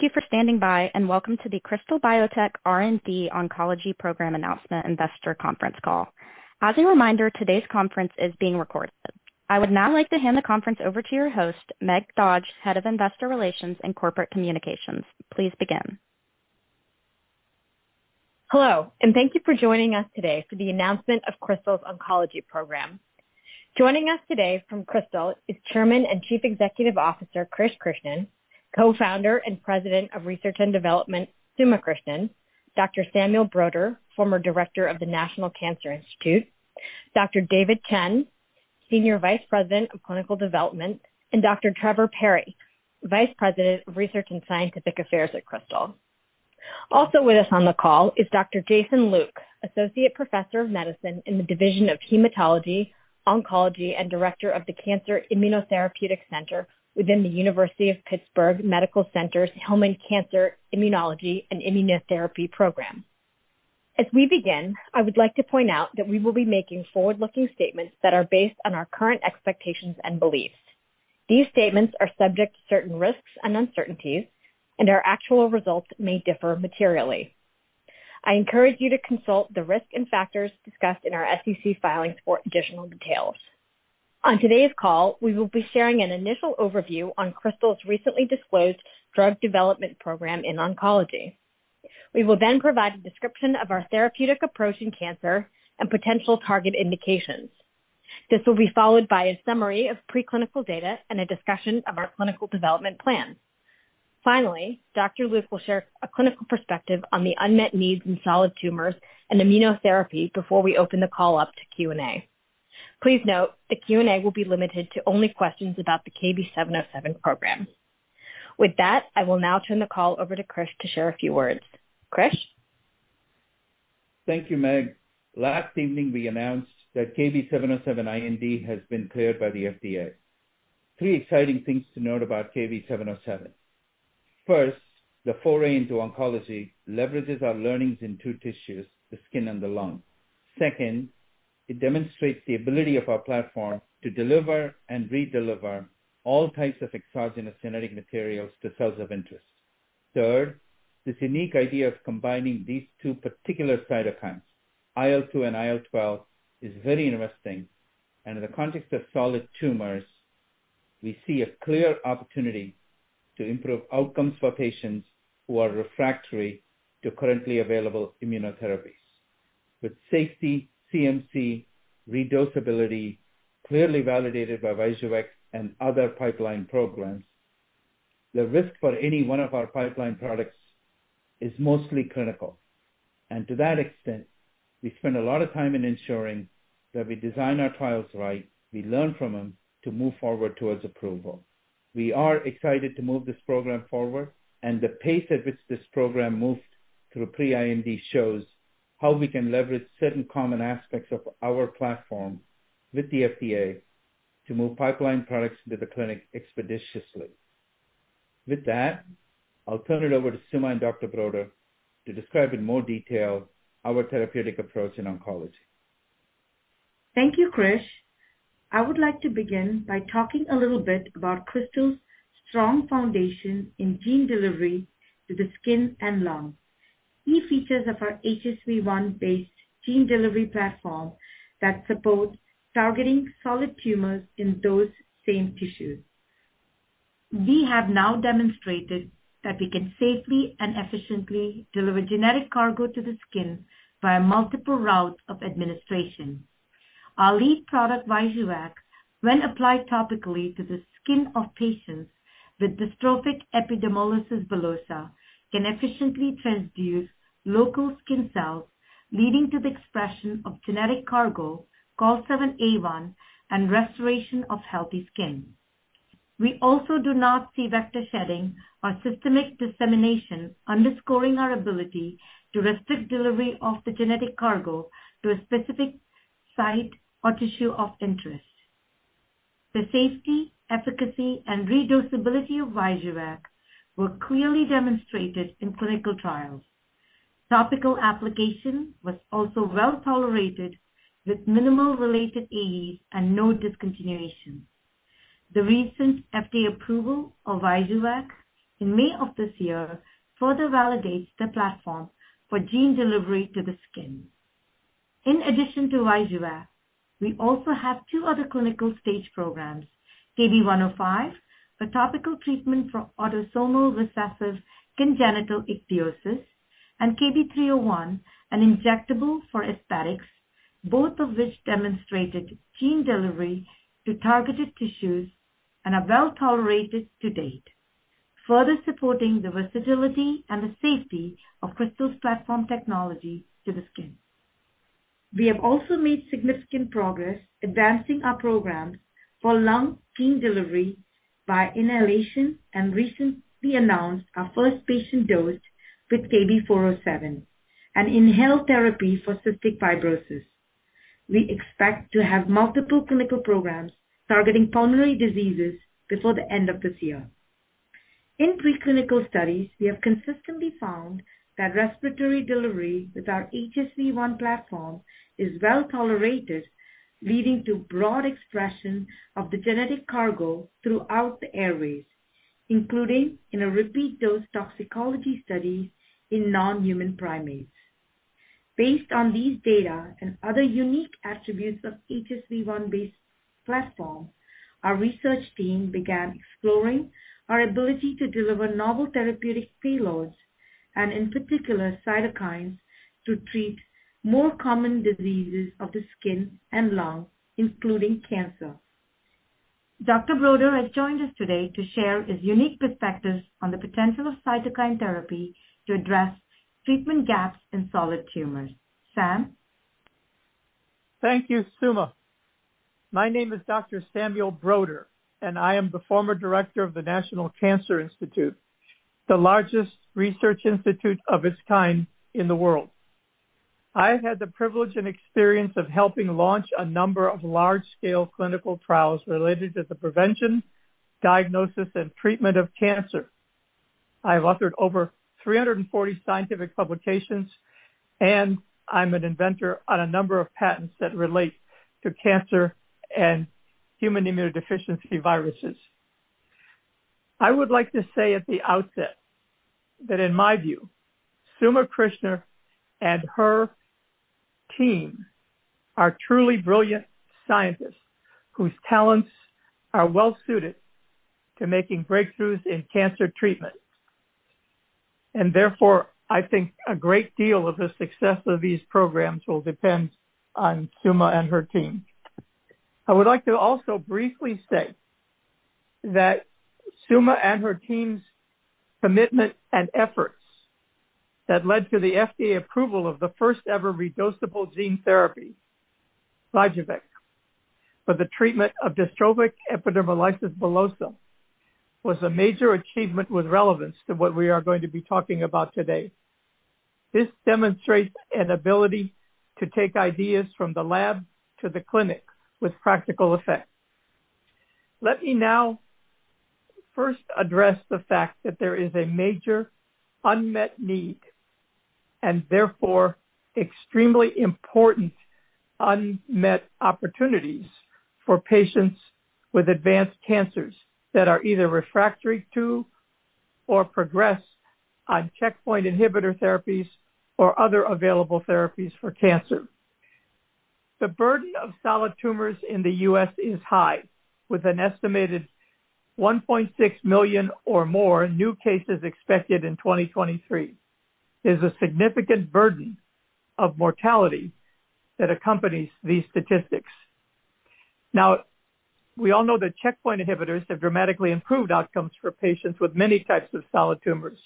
Thank you for standing by, and welcome to the Krystal Biotech R&D Oncology Program Announcement Investor Conference Call. As a reminder, today's conference is being recorded. I would now like to hand the conference over to your host, Meg Dodge, Head of Investor Relations and Corporate Communications. Please begin. Hello, and thank you for joining us today for the announcement of Krystal's oncology program. Joining us today from Krystal is Chairman and Chief Executive Officer, Krish Krishnan; Co-founder and President of Research and Development, Suma Krishnan; Dr. Samuel Broder, former Director of the National Cancer Institute; Dr. David Chien, Senior Vice President of Clinical Development; and Dr. Trevor Parry, Vice President of Research and Scientific Affairs at Krystal. Also with us on the call is Dr. Jason Luke, Associate Professor of Medicine in the Division of Hematology/Oncology, and Director of the Cancer Immunotherapeutic Center within the University of Pittsburgh Medical Center's UPMC Hillman Cancer Center Immunology and Immunotherapy Program. As we begin, I would like to point out that we will be making forward-looking statements that are based on our current expectations and beliefs. These statements are subject to certain risks and uncertainties, and our actual results may differ materially. I encourage you to consult the risk and factors discussed in our SEC filings for additional details. On today's call, we will be sharing an initial overview on Krystal's recently disclosed drug development program in oncology. We will then provide a description of our therapeutic approach in cancer and potential target indications. This will be followed by a summary of preclinical data and a discussion of our clinical development plan. Finally, Dr.Luke will share a clinical perspective on the unmet needs in solid tumors and immunotherapy before we open the call up to Q&A. Please note, the Q&A will be limited to only questions about the KB-707 program. With that, I will now turn the call over to Krish to share a few words. Krish? Thank you, Meg. Last evening, we announced that KB-707 IND has been cleared by the FDA. Three exciting things to note about KB-707. First, the foray into oncology leverages our learnings in two tissues, the skin and the lung. Second, it demonstrates the ability of our platform to deliver and redeliver all types of exogenous genetic materials to cells of interest. Third, this unique idea of combining these two particular cytokines, IL-2 and IL-12, is very interesting, and in the context of solid tumors, we see a clear opportunity to improve outcomes for patients who are refractory to currently available immunotherapies. With safety, CMC, redosability, clearly validated by VYJUVEK and other pipeline programs, the risk for any one of our pipeline products is mostly clinical, and to that extent, we spend a lot of time in ensuring that we design our trials right, we learn from them to move forward towards approval. We are excited to move this program forward, and the pace at which this program moved through pre-IND shows how we can leverage certain common aspects of our platform with the FDA to move pipeline products into the clinic expeditiously. With that, I'll turn it over to Suma and Dr. Broder to describe in more detail our therapeutic approach in oncology. Thank you, Krish. I would like to begin by talking a little bit about Krystal's strong foundation in gene delivery to the skin and lung. Key features of our HSV-1 based gene delivery platform that support targeting solid tumors in those same tissues. We have now demonstrated that we can safely and efficiently deliver genetic cargo to the skin by a multiple route of administration. Our lead product, VYJUVEK, when applied topically to the skin of patients with dystrophic epidermolysis bullosa, can efficiently transduce local skin cells, leading to the expression of genetic cargo, COL7A1, and restoration of healthy skin. We also do not see vector shedding or systemic dissemination, underscoring our ability to restrict delivery of the genetic cargo to a specific site or tissue of interest. The safety, efficacy, and redosability of VYJUVEK were clearly demonstrated in clinical trials. Topical application was also well-tolerated, with minimal related AEs and no discontinuation. The recent FDA approval of VYJUVEK in May of this year further validates the platform for gene delivery to the skin. In addition to VYJUVEK, we also have two other clinical stage programs, KB-105, a topical treatment for autosomal recessive congenital ichthyosis, and KB-301, an injectable for aesthetics, both of which demonstrated gene delivery to targeted tissues and are well-tolerated to date, further supporting the versatility and the safety of Krystal's platform technology to the skin. We have also made significant progress advancing our programs for lung gene delivery by inhalation and recently announced our first patient dose with KB407, an inhaled therapy for cystic fibrosis. We expect to have multiple clinical programs targeting pulmonary diseases before the end of this year. In preclinical studies, we have consistently found that respiratory delivery with our HSV-1 platform is well-tolerated, leading to broad expression of the genetic cargo throughout the airways, including in a repeat dose toxicology study in non-human primates. Based on these data and other unique attributes of HSV-1 based platform, our research team began exploring our ability to deliver novel therapeutic payloads and in particular, cytokines, to treat more common diseases of the skin and lung, including cancer. Dr. Broder has joined us today to share his unique perspectives on the potential of cytokine therapy to address treatment gaps in solid tumors. Sam? Thank you, Suma. My name is Dr. Samuel Broder, I am the former director of the National Cancer Institute, the largest research institute of its kind in the world. I've had the privilege and experience of helping launch a number of large-scale clinical trials related to the prevention, diagnosis, and treatment of cancer. I have authored over 340 scientific publications, I'm an inventor on a number of patents that relate to cancer and human immunodeficiency viruses. I would like to say at the outset that in my view, Suma Krishnan and her team are truly brilliant scientists whose talents are well suited to making breakthroughs in cancer treatment. Therefore, I think a great deal of the success of these programs will depend on Suma and her team. I would like to also briefly say that Suma and her team's commitment and efforts that led to the FDA approval of the first-ever redosable gene therapy, VYJUVEK, for the treatment of dystrophic epidermolysis bullosa, was a major achievement with relevance to what we are going to be talking about today. This demonstrates an ability to take ideas from the lab to the clinic with practical effect. Let me now first address the fact that there is a major unmet need and therefore extremely important unmet opportunities for patients with advanced cancers that are either refractory to or progress on checkpoint inhibitor therapies or other available therapies for cancer. The burden of solid tumors in the US is high, with an estimated 1.6 million or more new cases expected in 2023. There's a significant burden of mortality that accompanies these statistics. We all know that checkpoint inhibitors have dramatically improved outcomes for patients with many types of solid tumors.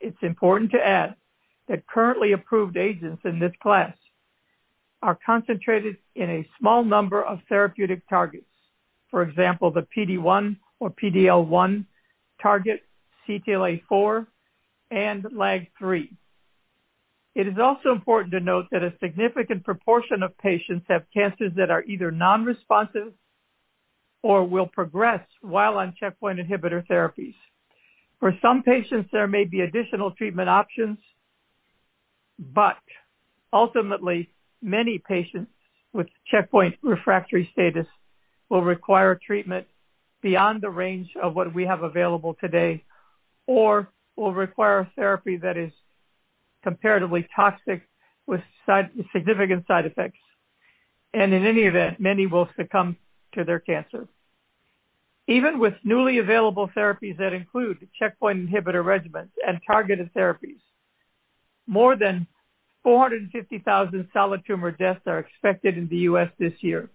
It's important to add that currently approved agents in this class are concentrated in a small number of therapeutic targets. For example, the PD-1 or PD-L1 target, CTLA-4, and LAG-3. It is also important to note that a significant proportion of patients have cancers that are either non-responsive or will progress while on checkpoint inhibitor therapies. For some patients, there may be additional treatment options, ultimately, many patients with checkpoint refractory status will require treatment beyond the range of what we have available today, or will require a therapy that is comparatively toxic with significant side effects. In any event, many will succumb to their cancer. Even with newly available therapies that include checkpoint inhibitor regimens and targeted therapies, more than 450,000 solid tumor deaths are expected in the US this year.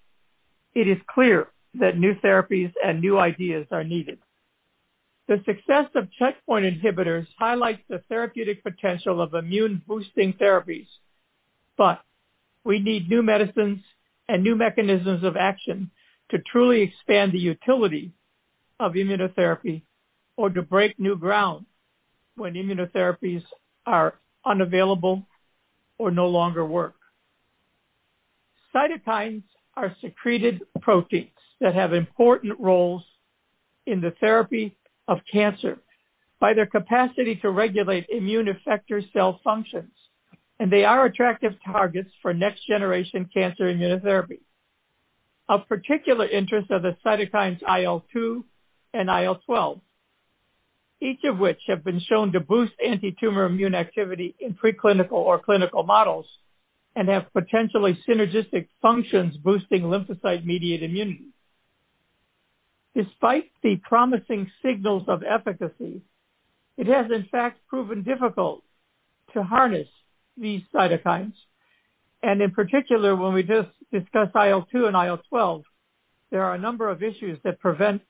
It is clear that new therapies and new ideas are needed. The success of checkpoint inhibitors highlights the therapeutic potential of immune-boosting therapies. We need new medicines and new mechanisms of action to truly expand the utility of immunotherapy or to break new ground when immunotherapies are unavailable or no longer work. Cytokines are secreted proteins that have important roles in the therapy of cancer by their capacity to regulate immune effector cell functions, they are attractive targets for next-generation cancer immunotherapy. Of particular interest are the cytokines IL-2 and IL-12, each of which have been shown to boost antitumor immune activity in preclinical or clinical models and have potentially synergistic functions boosting lymphocyte-mediated immunity. Despite the promising signals of efficacy, it has in fact proven difficult to harness these cytokines, and in particular, when we just discussed IL-2 and IL-12, there are a number of issues that prevent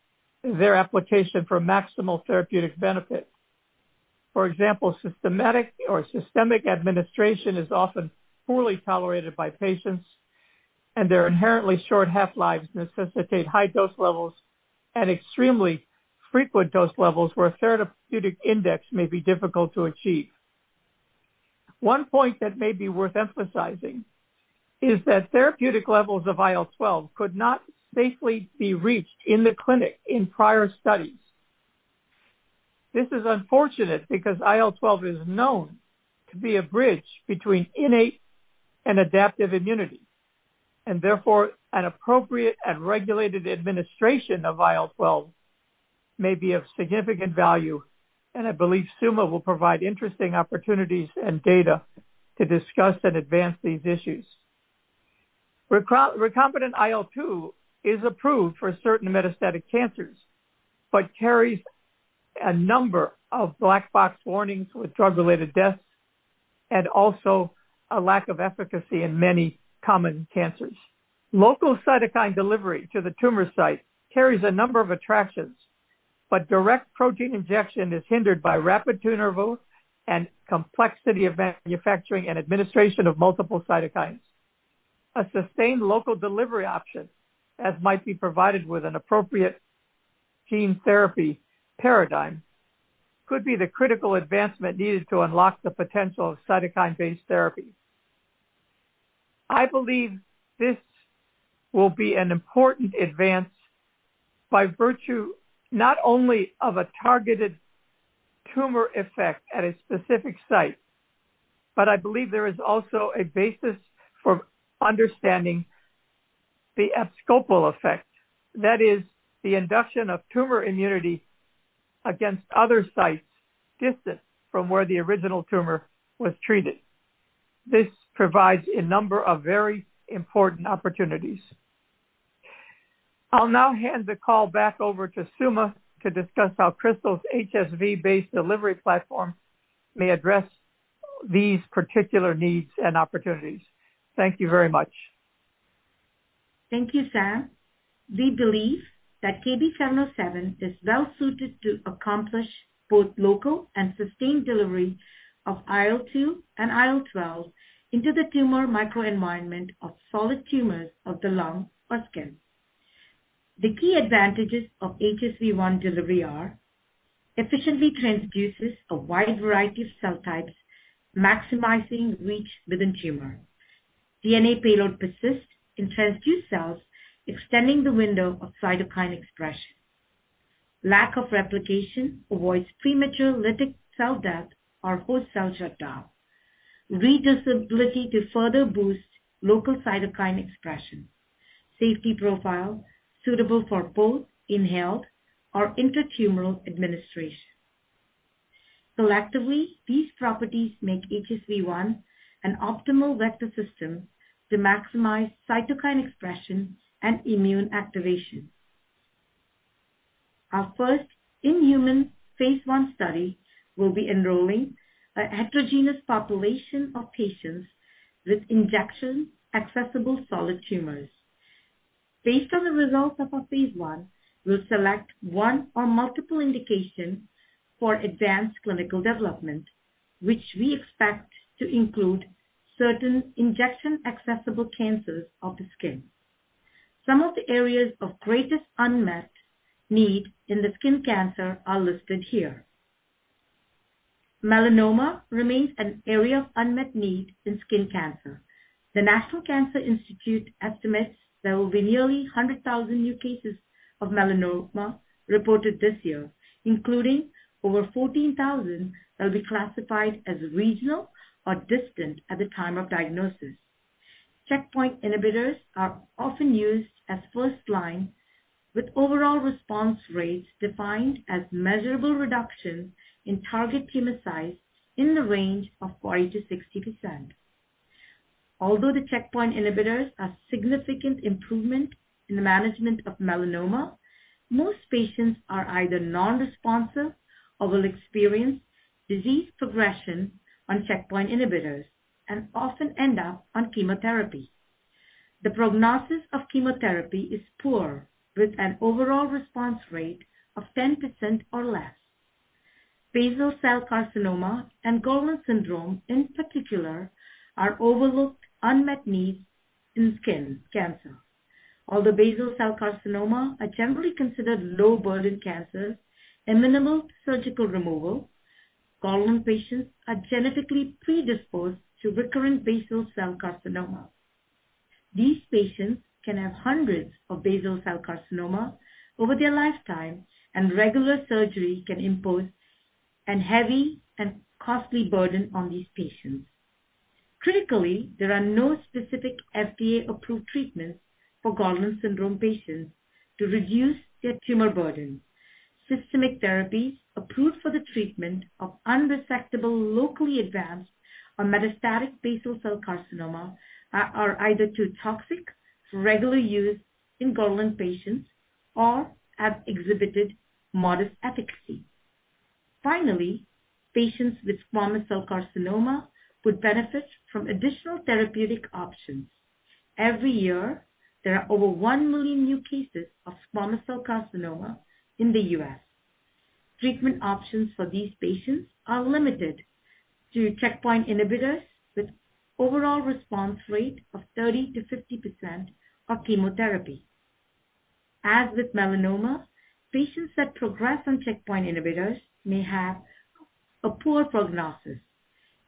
their application for maximal therapeutic benefit. For example, systematic or systemic administration is often poorly tolerated by patients, and their inherently short half-lives necessitate high dose levels and extremely frequent dose levels where a therapeutic index may be difficult to achieve. One point that may be worth emphasizing is that therapeutic levels of IL-12 could not safely be reached in the clinic in prior studies. This is unfortunate because IL-12 is known to be a bridge between innate and adaptive immunity. Therefore, an appropriate and regulated administration of IL-12 may be of significant value, and I believe Suma will provide interesting opportunities and data to discuss and advance these issues. recombinant IL-2 is approved for certain metastatic cancers, but carries a number of black box warnings with drug-related deaths and also a lack of efficacy in many common cancers. Local cytokine delivery to the tumor site carries a number of attractions, but direct protein injection is hindered by rapid turnover and complexity of manufacturing and administration of multiple cytokines. A sustained local delivery option, as might be provided with an appropriate gene therapy paradigm, could be the critical advancement needed to unlock the potential of cytokine-based therapy. I believe this will be an important advance by virtue not only of a targeted tumor effect at a specific site, but I believe there is also a basis for understanding the abscopal effect, that is, the induction of tumor immunity against other sites distant from where the original tumor was treated. This provides a number of very important opportunities. I'll now hand the call back over to Suma to discuss how Krystal's HSV-based delivery platform may address these particular needs and opportunities. Thank you very much. Thank you, Sam. We believe that KB-707 is well suited to accomplish both local and sustained delivery of IL-2 and IL-12 into the tumor microenvironment of solid tumors of the lung or skin. The key advantages of HSV-1 delivery are efficiently transduces a wide variety of cell types, maximizing reach within tumor. DNA payload persists in transduced cells, extending the window of cytokine expression. Lack of replication avoids premature lytic cell death or host cell shutdown. Redosability to further boost local cytokine expression. Safety profile suitable for both inhaled or intratumoral administration. Collectively, these properties make HSV-1 an optimal vector system to maximize cytokine expression and immune activation. Our first in-human phase I study will be enrolling a heterogeneous population of patients with injection-accessible solid tumors. Based on the results of our phase I, we'll select one or multiple indications for advanced clinical development, which we expect to include certain injection-accessible cancers of the skin. Some of the areas of greatest unmet need in the skin cancer are listed here. Melanoma remains an area of unmet need in skin cancer. The National Cancer Institute estimates there will be nearly 100,000 new cases of melanoma reported this year, including over 14,000 that will be classified as regional or distant at the time of diagnosis. Checkpoint inhibitors are often used as first line, with overall response rates defined as measurable reduction in target tumor size in the range of 40%-60%. Although the checkpoint inhibitors are significant improvement in the management of melanoma, most patients are either non-responsive or will experience disease progression on checkpoint inhibitors and often end up on chemotherapy. The prognosis of chemotherapy is poor, with an overall response rate of 10% or less. Basal cell carcinoma and Gorlin syndrome, in particular, are overlooked unmet needs in skin cancer. Basal cell carcinoma are generally considered low-burden cancers and minimal surgical removal, Gorlin patients are genetically predisposed to recurrent basal cell carcinoma. These patients can have hundreds of basal cell carcinoma over their lifetime, regular surgery can impose a heavy and costly burden on these patients. Critically, there are no specific FDA-approved treatments for Gorlin syndrome patients to reduce their tumor burden. Systemic therapies approved for the treatment of unresectable, locally advanced or metastatic basal cell carcinoma are either too toxic for regular use in Gorlin patients or have exhibited modest efficacy. Patients with squamous cell carcinoma would benefit from additional therapeutic options. Every year, there are over 1 million new cases of squamous cell carcinoma in the US Treatment options for these patients are limited to checkpoint inhibitors, with overall response rate of 30%-50% of chemotherapy. As with melanoma, patients that progress on checkpoint inhibitors may have a poor prognosis.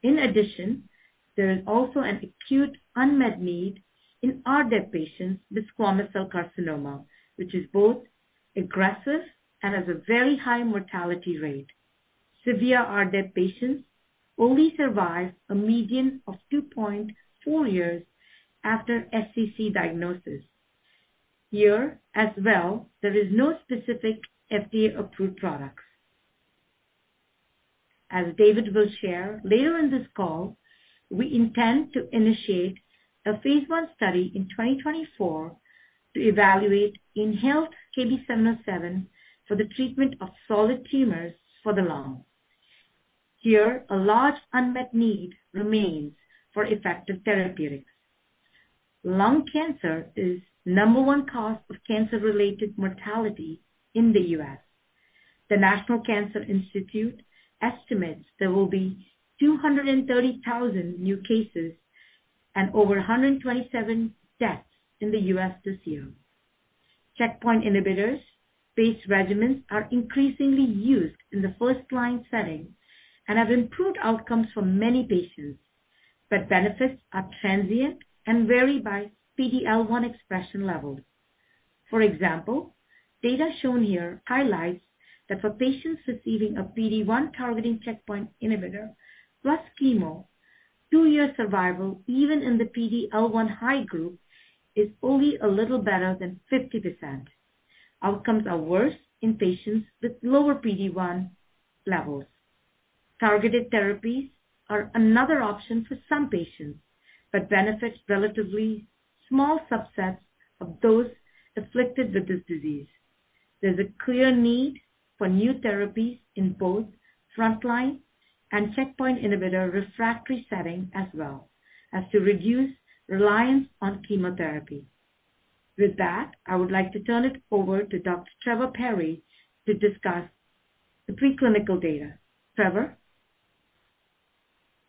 There is also an acute unmet need in RDEB patients with squamous cell carcinoma, which is both aggressive and has a very high mortality rate. Severe RDEB patients only survive a median of 2.4 years after SCC diagnosis. Here, as well, there is no specific FDA-approved products. As David will share later in this call, we intend to initiate a phase I study in 2024 to evaluate inhaled KB-707 for the treatment of solid tumors for the lung. Here, a large unmet need remains for effective therapeutics. Lung cancer is number one cause of cancer-related mortality in the US The National Cancer Institute estimates there will be 230,000 new cases and over 127 deaths in the US this year. Checkpoint inhibitors-based regimens are increasingly used in the first-line setting and have improved outcomes for many patients, but benefits are transient and vary by PD-L1 expression levels. For example, data shown here highlights that for patients receiving a PD-1 targeting checkpoint inhibitor plus chemo, two-year survival, even in the PD-L1 high group, is only a little better than 50%. Outcomes are worse in patients with lower PD-1 levels. Targeted therapies are another option for some patients, but benefits relatively small subsets of those afflicted with this disease. There's a clear need for new therapies in both frontline and checkpoint inhibitor refractory setting, as well as to reduce reliance on chemotherapy. With that, I would like to turn it over to Dr. Trevor Parry to discuss the preclinical data. Trevor?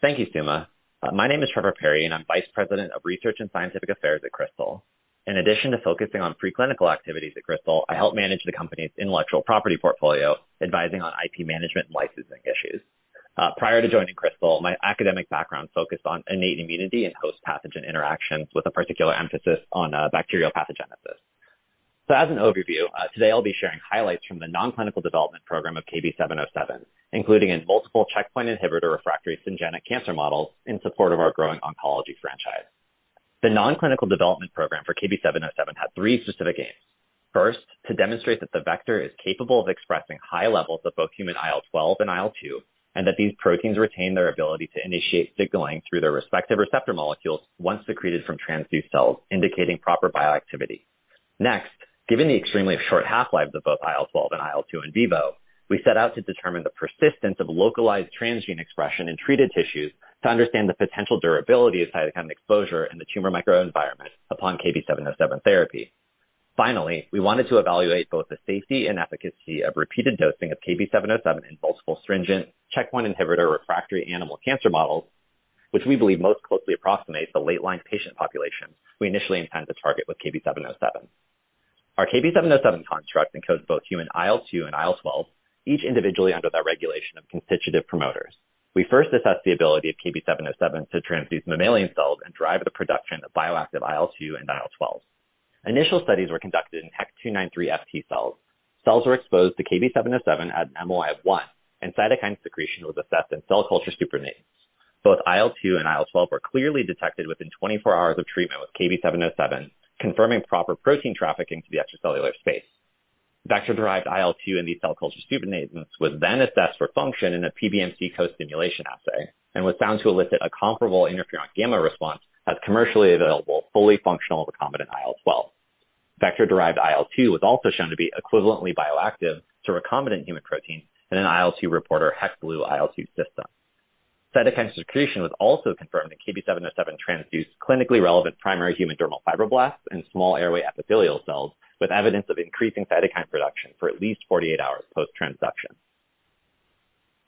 Thank you, Suma. My name is Trevor Parry, and I'm Vice President of Research and Scientific Affairs at Krystal Biotech. In addition to focusing on preclinical activities at Krystal Biotech, I help manage the company's intellectual property portfolio, advising on IP management and licensing issues. Prior to joining Krystal Biotech, my academic background focused on innate immunity and host pathogen interactions, with a particular emphasis on bacterial pathogenesis. As an overview, today I'll be sharing highlights from the non-clinical development program of KB-707, including in multiple checkpoint inhibitor refractory syngeneic cancer models in support of our growing oncology franchise. The non-clinical development program for KB-707 had three specific aims. First, to demonstrate that the vector is capable of expressing high levels of both human IL-12 and IL-2, and that these proteins retain their ability to initiate signaling through their respective receptor molecules once secreted from transduced cells, indicating proper bioactivity. Next, given the extremely short half-lives of both IL-12 and IL-2 in vivo, we set out to determine the persistence of localized transgene expression in treated tissues to understand the potential durability of cytokine exposure in the tumor microenvironment upon KB-707 therapy. Finally, we wanted to evaluate both the safety and efficacy of repeated dosing of KB-707 in multiple stringent checkpoint inhibitor refractory animal cancer models, which we believe most closely approximates the late-line patient population we initially intend to target with KB-707. Our KB-707 construct encodes both human IL-2 and IL-12, each individually under the regulation of constitutive promoters. We first assessed the ability of KB-707 to transduce mammalian cells and drive the production of bioactive IL-2 and IL-12. Initial studies were conducted in HEK293FT cells. Cells were exposed to KB-707 at an MOI of 1, and cytokine secretion was assessed in cell culture supernatants. Both IL-2 and IL-12 were clearly detected within 24 hours of treatment with KB-707, confirming proper protein trafficking to the extracellular space. Vector-derived IL-2 in these cell culture supernatants was assessed for function in a PBMC co-stimulation assay and was found to elicit a comparable Interferon gamma response as commercially available, fully functional recombinant IL-12. Vector-derived IL-2 was also shown to be equivalently bioactive to recombinant human protein in an IL-2 reporter HEK-Blue IL-2 system. Cytokine secretion was also confirmed in KB-707 transduced clinically relevant primary human dermal fibroblasts and small airway epithelial cells, with evidence of increasing cytokine production for at least 48 hours post-transduction.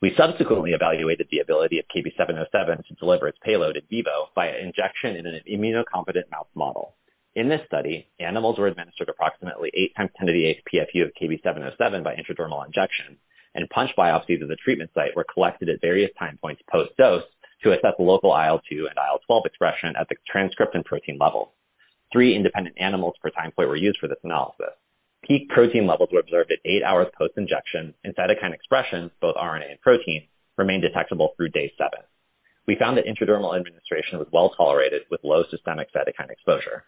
We subsequently evaluated the ability of KB-707 to deliver its payload in vivo via injection in an immunocompetent mouse model. In this study, animals were administered approximately 8 x 10^8 PFU of KB-707 by intradermal injection, and punch biopsies of the treatment site were collected at various time points post-dose to assess the local IL-2 and IL-12 expression at the transcript and protein level. Three independent animals per time point were used for this analysis. Peak protein levels were observed at eight hours post-injection, and cytokine expressions, both RNA and protein, remained detectable through day seven. We found that intradermal administration was well tolerated with low systemic cytokine exposure.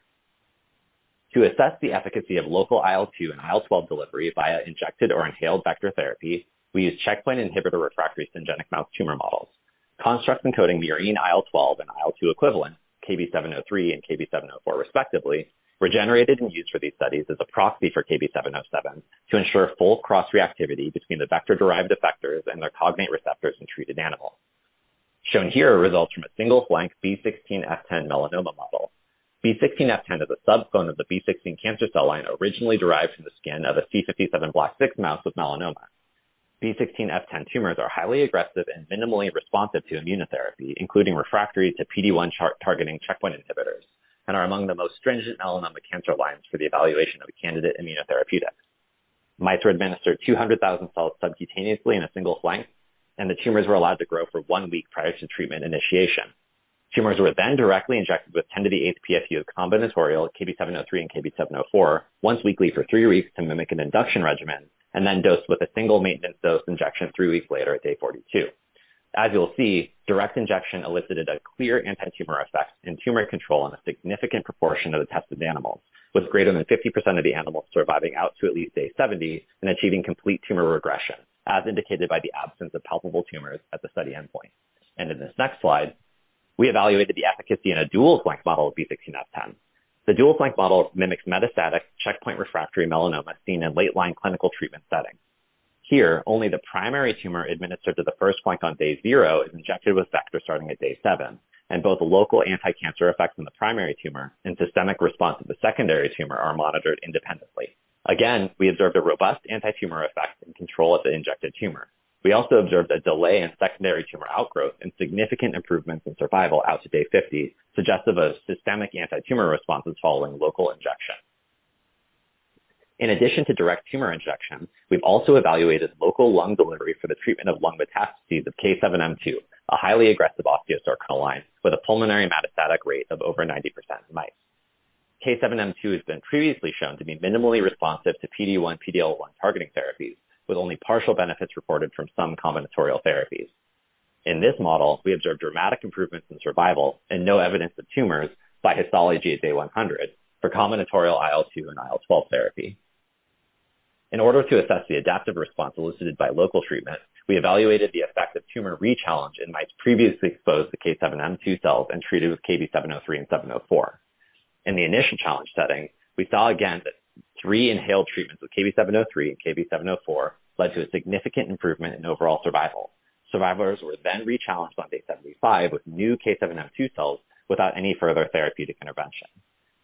To assess the efficacy of local IL-2 and IL-12 delivery via injected or inhaled vector therapy, we used checkpoint inhibitor refractory syngeneic mouse tumor models. Constructs encoding murine IL-12 and IL-2 equivalent, KB-703 and KB-704, respectively, were generated and used for these studies as a proxy for KB-707 to ensure full cross-reactivity between the vector-derived effectors and their cognate receptors in treated animals. Shown here are results from a single flank B16-F10 melanoma model. B16-F10 is a subclone of the B16 cancer cell line, originally derived from the skin of a C57BL/6 mouse with melanoma. B16-F10 tumors are highly aggressive and minimally responsive to immunotherapy, including refractory to PD-1 chart targeting checkpoint inhibitors, are among the most stringent melanoma cancer lines for the evaluation of a candidate immunotherapeutic. Mice were administered 200,000 cells subcutaneously in a single flank, the tumors were allowed to grow for one week prior to treatment initiation. Tumors were then directly injected with 10 to the eighth PFU of combinatorial KB-703 and KB-704 once weekly for three weeks to mimic an induction regimen, then dosed with a single maintenance dose injection three weeks later at day 42. As you will see, direct injection elicited a clear anti-tumor effect and tumor control in a significant proportion of the tested animals, with greater than 50% of the animals surviving out to at least day 70 and achieving complete tumor regression, as indicated by the absence of palpable tumors at the study endpoint. In this next slide, we evaluated the efficacy in a dual flank model of B16-F10. The dual flank model mimics metastatic checkpoint refractory melanoma seen in late-line clinical treatment settings. Here, only the primary tumor administered to the first flank on day zero is injected with vector starting at day seven, and both local anticancer effects in the primary tumor and systemic response of the secondary tumor are monitored independently. Again, we observed a robust anti-tumor effect and control of the injected tumor. We also observed a delay in secondary tumor outgrowth and significant improvements in survival out to day 50, suggestive of systemic anti-tumor responses following local injection. In addition to direct tumor injection, we've also evaluated local lung delivery for the treatment of lung metastases of K7M2, a highly aggressive osteosarcoma line with a pulmonary metastatic rate of over 90% in mice. K7M2 has been previously shown to be minimally responsive to PD-1, PD-L1 targeting therapies, with only partial benefits reported from some combinatorial therapies. In this model, we observed dramatic improvements in survival and no evidence of tumors by histology at day 100 for combinatorial IL-2 and IL-12 therapy. In order to assess the adaptive response elicited by local treatment, we evaluated the effect of tumor rechallenge in mice previously exposed to K7M2 cells and treated with KB-703 and 704. In the initial challenge setting, we saw again that three inhaled treatments with KB-703 and KB-704 led to a significant improvement in overall survival. Survivors were rechallenged on day 75 with new K7M2 cells without any further therapeutic intervention.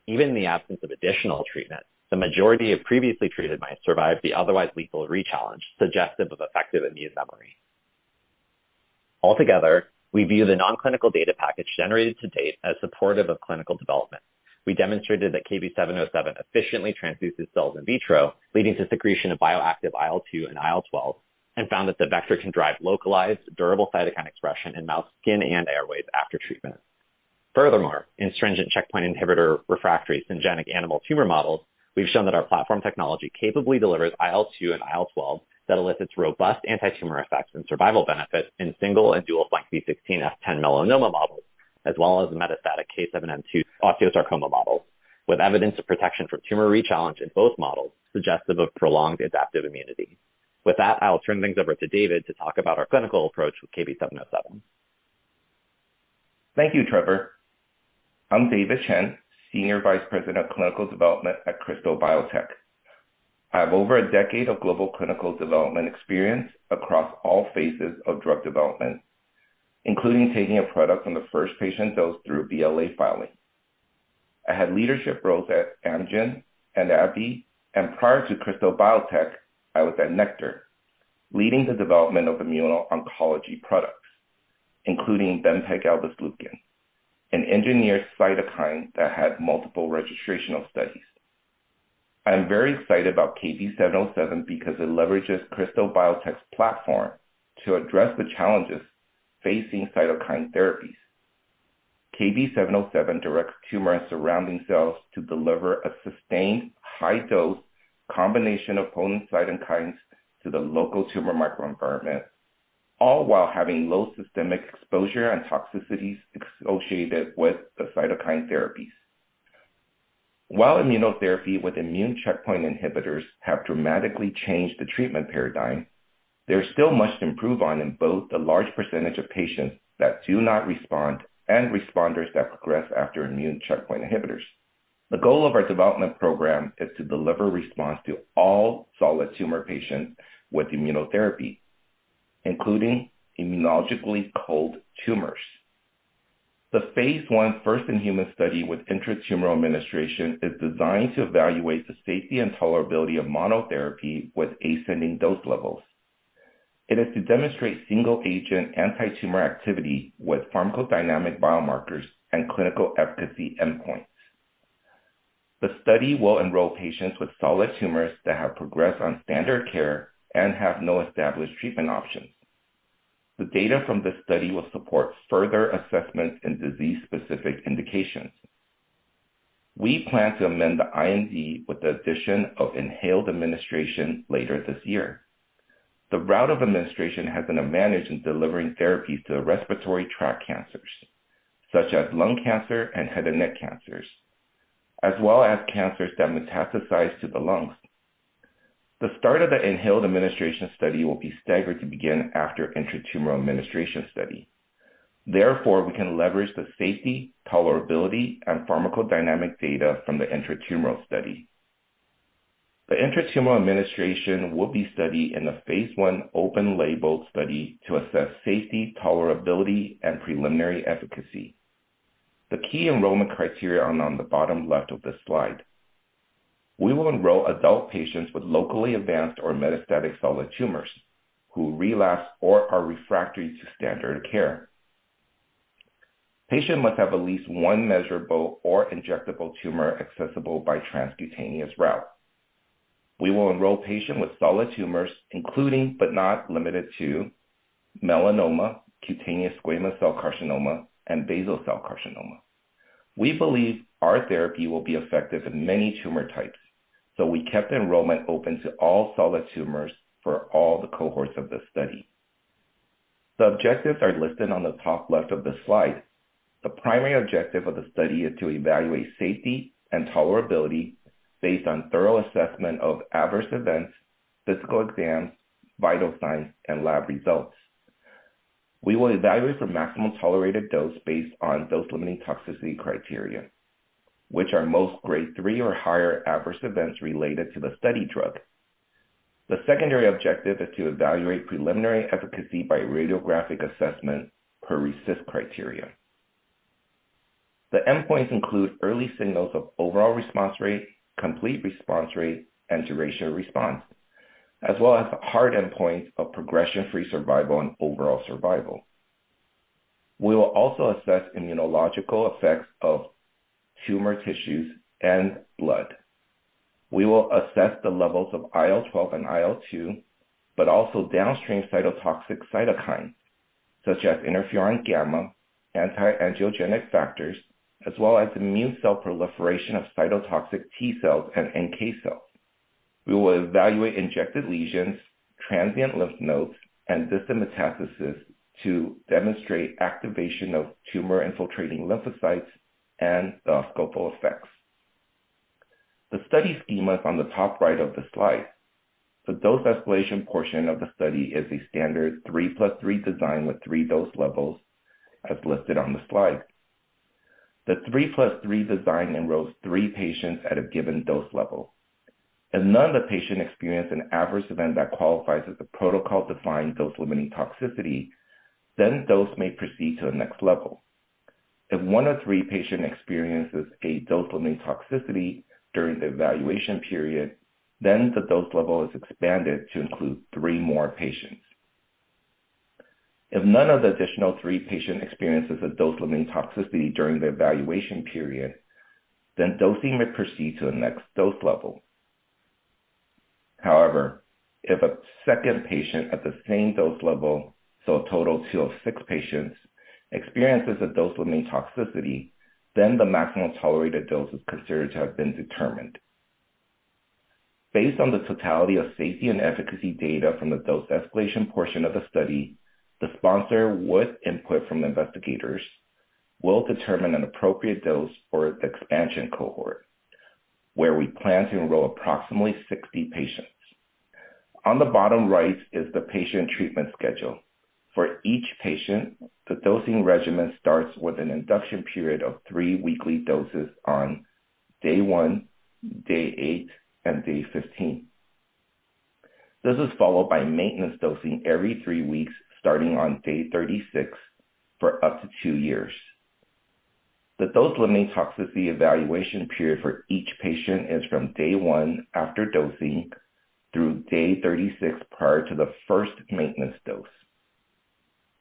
Even in the absence of additional treatment, the majority of previously treated mice survived the otherwise lethal rechallenge, suggestive of effective immune memory. Altogether, we view the non-clinical data package generated to date as supportive of clinical development. We demonstrated that KB-707 efficiently transduces cells in vitro, leading to secretion of bioactive IL-2 and IL-12, and found that the vector can drive localized, durable cytokine expression in mouse skin and airways after treatment. Furthermore, in stringent checkpoint inhibitor refractory syngeneic animal tumor models, we've shown that our platform technology capably delivers IL-2 and IL-12 that elicits robust anti-tumor effects and survival benefits in single and dual flank B16-F10 melanoma models, as well as metastatic K7M2 osteosarcoma models, with evidence of protection from tumor rechallenge in both models, suggestive of prolonged adaptive immunity. With that, I'll turn things over to David to talk about our clinical approach with KB-707. Thank you, Trevor. I'm David Chien, Senior Vice President of Clinical Development at Krystal Biotech. I have over a decade of global clinical development experience across all phases of drug development, including taking a product from the first patient dose through BLA filing. I had leadership roles at Amgen and AbbVie. Prior to Krystal Biotech, I was at Nektar, leading the development of immuno-oncology products, including Bempegaldesleukin, an engineered cytokine that had multiple registrational studies. I am very excited about KB-707 because it leverages Krystal Biotech's platform to address the challenges facing cytokine therapies. KB-707 directs tumor and surrounding cells to deliver a sustained high dose combination of potent cytokines to the local tumor microenvironment, all while having low systemic exposure and toxicities associated with the cytokine therapies. While immunotherapy with immune checkpoint inhibitors have dramatically changed the treatment paradigm, there is still much to improve on in both the large percentage of patients that do not respond and responders that progress after immune checkpoint inhibitors. The goal of our development program is to deliver response to all solid tumor patients with immunotherapy, including immunologically cold tumors. The phase I, first-in-human study with intratumoral administration is designed to evaluate the safety and tolerability of monotherapy with ascending dose levels. It is to demonstrate single-agent anti-tumor activity with pharmacodynamic biomarkers and clinical efficacy endpoints. The study will enroll patients with solid tumors that have progressed on standard care and have no established treatment options. The data from this study will support further assessment in disease-specific indications. We plan to amend the IND with the addition of inhaled administration later this year. The route of administration has an advantage in delivering therapies to the respiratory tract cancers, such as lung cancer and head and neck cancers, as well as cancers that metastasize to the lungs. The start of the inhaled administration study will be staggered to begin after intratumoral administration study. We can leverage the safety, tolerability, and pharmacodynamic data from the intratumoral study. The intratumoral administration will be studied in a phase I open label study to assess safety, tolerability, and preliminary efficacy. The key enrollment criteria are on the bottom left of this slide. We will enroll adult patients with locally advanced or metastatic solid tumors who relapse or are refractory to standard care. Patient must have at least one measurable or injectable tumor accessible by transcutaneous route. We will enroll patients with solid tumors, including, but not limited to, melanoma, cutaneous squamous cell carcinoma, and basal cell carcinoma. We believe our therapy will be effective in many tumor types. We kept enrollment open to all solid tumors for all the cohorts of this study. The objectives are listed on the top left of the slide. The primary objective of the study is to evaluate safety and tolerability based on thorough assessment of adverse events, physical exams, vital signs, and lab results. We will evaluate for maximum tolerated dose based on dose-limiting toxicity criteria, which are most grade three or higher adverse events related to the study drug. The secondary objective is to evaluate preliminary efficacy by radiographic assessment per RECIST criteria. The endpoints include early signals of overall response rate, complete response rate, and duration of response, as well as hard endpoints of progression-free survival and overall survival. We will also assess immunological effects of tumor tissues and blood. We will assess the levels of IL-12 and IL-2, also downstream cytotoxic cytokines such as Interferon gamma, anti-angiogenic factors, as well as immune cell proliferation of cytotoxic T cells and NK cells. We will evaluate injected lesions, transient lymph nodes, and distant metastasis to demonstrate activation of tumor-infiltrating lymphocytes and the scopal effects. The study schema is on the top right of the slide. The dose escalation portion of the study is a standard 3+3 design with three dose levels as listed on the slide. The 3+3 design enrolls three patients at a given dose level. If none of the patients experience an adverse event that qualifies as a protocol-defined dose-limiting toxicity, dose may proceed to the next level. If one of three patients experiences a dose-limiting toxicity during the evaluation period, the dose level is expanded to include three more patients. If none of the additional three patients experiences a dose-limiting toxicity during the evaluation period, then dosing may proceed to the next dose level. If a second patient at the same dose level, so a total two of six patients, experiences a dose-limiting toxicity, then the maximum tolerated dose is considered to have been determined. Based on the totality of safety and efficacy data from the dose escalation portion of the study, the sponsor, with input from the investigators, will determine an appropriate dose for the expansion cohort, where we plan to enroll approximately 60 patients. On the bottom right is the patient treatment schedule. For each patient, the dosing regimen starts with an induction period of three weekly doses on day one, day eight, and day 15. This is followed by maintenance dosing every three weeks, starting on day 36 for up to two years. The dose-limiting toxicity evaluation period for each patient is from day 1 after dosing through day 36, prior to the first maintenance dose.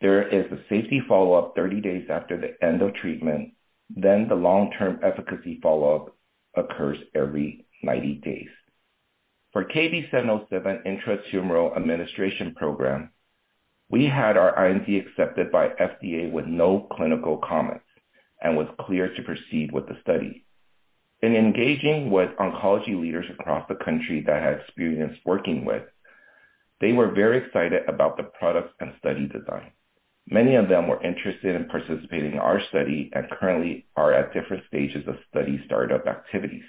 There is a safety follow-up 30 days after the end of treatment. The long-term efficacy follow-up occurs every 90 days. For KB-707 intratumoral administration program, we had our IND accepted by FDA with no clinical comments and was clear to proceed with the study. In engaging with oncology leaders across the country that I have experience working with, they were very excited about the product and study design. Many of them were interested in participating in our study and currently are at different stages of study start-up activities.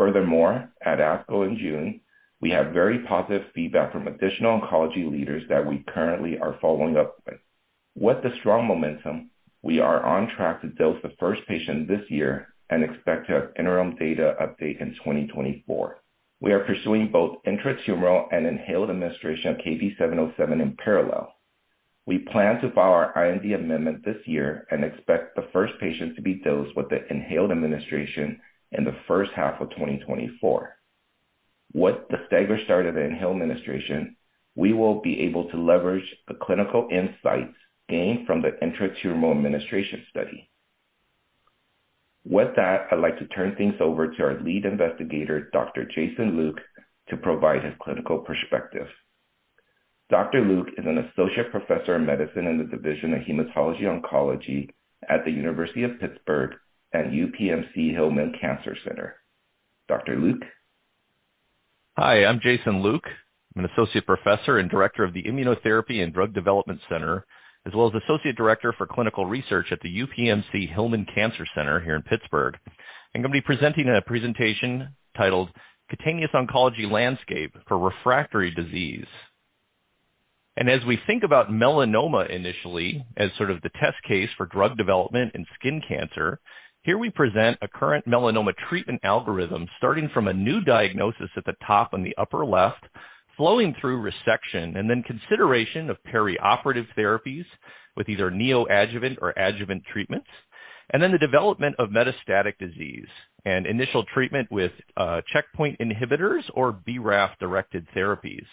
At ASCO in June, we had very positive feedback from additional oncology leaders that we currently are following up with. With the strong momentum, we are on track to dose the first patient this year and expect to have interim data update in 2024. We are pursuing both intratumoral and inhaled administration of KB-707 in parallel. We plan to file our IND amendment this year and expect the first patients to be dosed with the inhaled administration in the first half of 2024. With the staggered start of the inhaled administration, we will be able to leverage the clinical insights gained from the intratumoral administration study. With that, I'd like to turn things over to our lead investigator, Dr. Jason Luke, to provide his clinical perspective. Dr. Luke is an associate professor of medicine in the Division of Hematology Oncology at the University of Pittsburgh at UPMC Hillman Cancer Center. Dr. Luke? Hi, I'm Jason Luke. I'm an associate professor and director of the Immunotherapy and Drug Development Center, as well as associate director for clinical research at the UPMC Hillman Cancer Center here in Pittsburgh. I'm going to be presenting a presentation titled Cutaneous Oncology Landscape for Refractory Disease. As we think about melanoma initially as sort of the test case for drug development and skin cancer, here we present a current melanoma treatment algorithm, starting from a new diagnosis at the top on the upper left, flowing through resection and then consideration of perioperative therapies with either neoadjuvant or adjuvant treatments, and then the development of metastatic disease and initial treatment with checkpoint inhibitors or BRAF-directed therapies.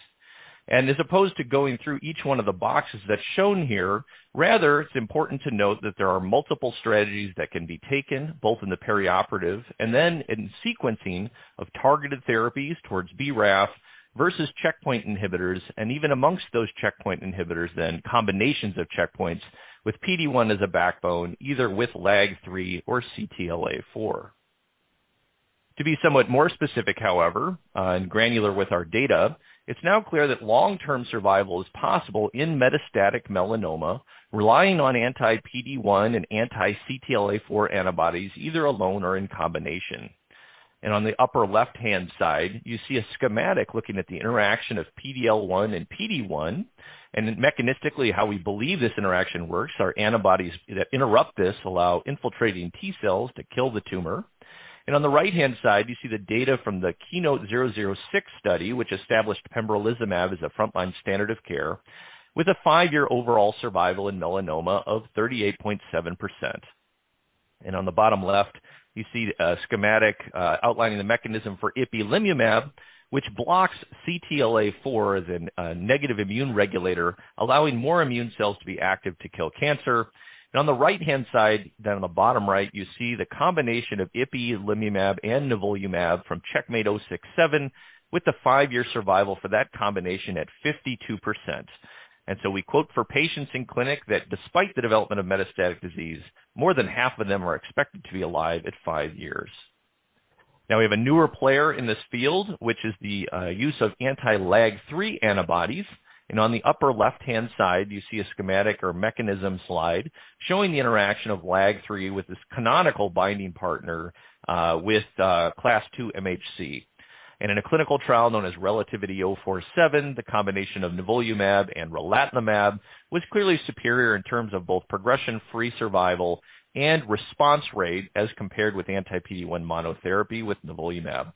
As opposed to going through each one of the boxes that's shown here, rather, it's important to note that there are multiple strategies that can be taken, both in the perioperative and then in sequencing of targeted therapies towards BRAF versus checkpoint inhibitors, and even amongst those checkpoint inhibitors, then combinations of checkpoints with PD-1 as a backbone, either with LAG-3 or CTLA-4. To be somewhat more specific, however, and granular with our data, it's now clear that long-term survival is possible in metastatic melanoma, relying on anti-PD-1 and anti-CTLA-4 antibodies, either alone or in combination. On the upper left-hand side, you see a schematic looking at the interaction of PD-L1 and PD-1, and then mechanistically, how we believe this interaction works, our antibodies that interrupt this allow infiltrating T cells to kill the tumor. On the right-hand side, you see the data from the KEYNOTE-006 study, which established pembrolizumab as a frontline standard of care with a five-year overall survival in melanoma of 38.7%. On the bottom left, you see a schematic outlining the mechanism for ipilimumab, which blocks CTLA-4 as a negative immune regulator, allowing more immune cells to be active to kill cancer. On the right-hand side, down on the bottom right, you see the combination of ipilimumab and nivolumab from CheckMate 067, with the five-year survival for that combination at 52%. We quote for patients in clinic that despite the development of metastatic disease, more than half of them are expected to be alive at five years. Now, we have a newer player in this field, which is the use of anti-LAG-3 antibodies. On the upper left-hand side, you see a schematic or mechanism slide showing the interaction of LAG-3 with this canonical binding partner, with class two MHC. In a clinical trial known as RELATIVITY-047, the combination of nivolumab and relatlimab was clearly superior in terms of both progression-free survival and response rate as compared with anti-PD-1 monotherapy with nivolumab.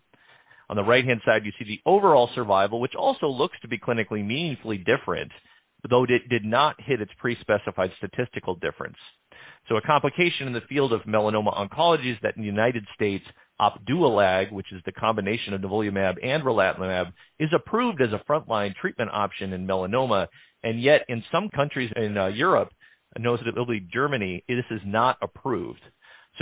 On the right-hand side, you see the overall survival, which also looks to be clinically meaningfully different, though it did not hit its pre-specified statistical difference. A complication in the field of melanoma oncology is that in the United States, Opdualag, which is the combination of nivolumab and relatlimab, is approved as a frontline treatment option in melanoma, and yet in some countries in Europe, notably Germany, this is not approved.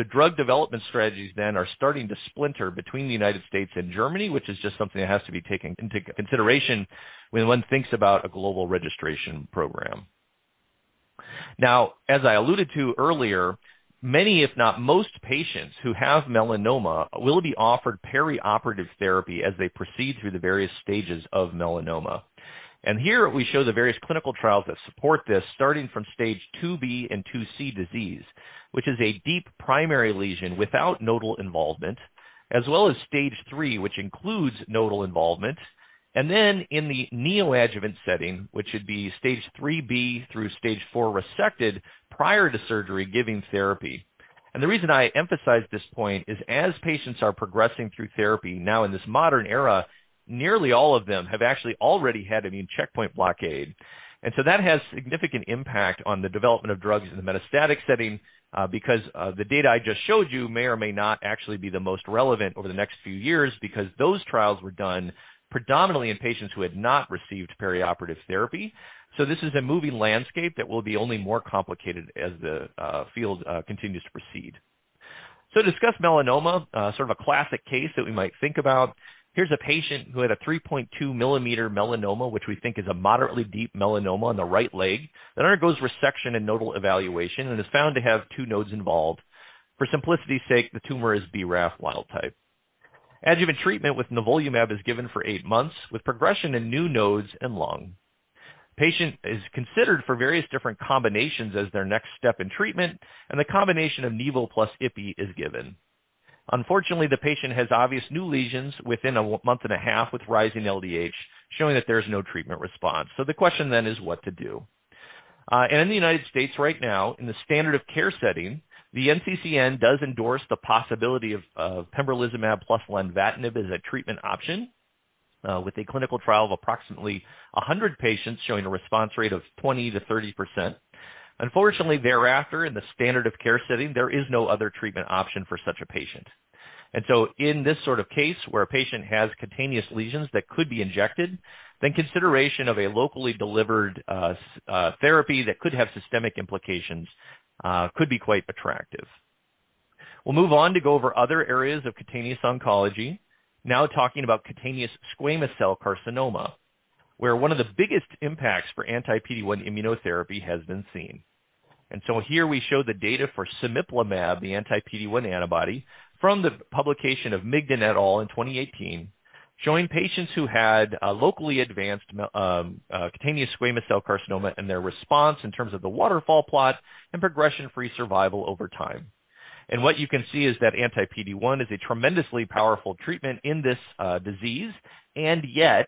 Drug development strategies then are starting to splinter between the United States and Germany, which is just something that has to be taken into consideration when one thinks about a global registration program. As I alluded to earlier, many, if not most patients who have melanoma, will be offered perioperative therapy as they proceed through the various stages of melanoma. Here we show the various clinical trials that support this, starting from stage 2B and 2C disease, which is a deep primary lesion without nodal involvement, as well as stage three, which includes nodal involvement, then in the neoadjuvant setting, which would be stage 3B through stage four resected prior to surgery, giving therapy. The reason I emphasize this point is as patients are progressing through therapy now in this modern era, nearly all of them have actually already had an immune checkpoint blockade. That has significant impact on the development of drugs in the metastatic setting, because the data I just showed you may or may not actually be the most relevant over the next few years, because those trials were done predominantly in patients who had not received perioperative therapy. This is a moving landscape that will be only more complicated as the field continues to proceed. To discuss melanoma, sort of a classic case that we might think about. Here's a patient who had a 3.2 millimeter melanoma, which we think is a moderately deep melanoma on the right leg, then undergoes resection and nodal evaluation and is found to have two nodes involved. For simplicity's sake, the tumor is BRAF wild type. Adjuvant treatment with nivolumab is given for eight months, with progression in new nodes and lung. Patient is considered for various different combinations as their next step in treatment, and the combination of nivo plus ipi is given. Unfortunately, the patient has obvious new lesions within 1.5 months, with rising LDH, showing that there is no treatment response. The question then is what to do? In the United States right now, in the standard of care setting, the NCCN does endorse the possibility of pembrolizumab plus lenvatinib as a treatment option, with a clinical trial of approximately 100 patients showing a response rate of 20%-30%. Unfortunately, thereafter, in the standard of care setting, there is no other treatment option for such a patient. In this sort of case, where a patient has cutaneous lesions that could be injected, then consideration of a locally delivered therapy that could have systemic implications, could be quite attractive. We'll move on to go over other areas of cutaneous oncology, now talking about cutaneous squamous cell carcinoma, where one of the biggest impacts for anti-PD-1 immunotherapy has been seen. Here we show the data for cemiplimab, the anti-PD-1 antibody, from the publication of Migden et al. in 2018, showing patients who had locally advanced cutaneous squamous cell carcinoma and their response in terms of the waterfall plot and progression-free survival over time. What you can see is that anti-PD-1 is a tremendously powerful treatment in this disease, and yet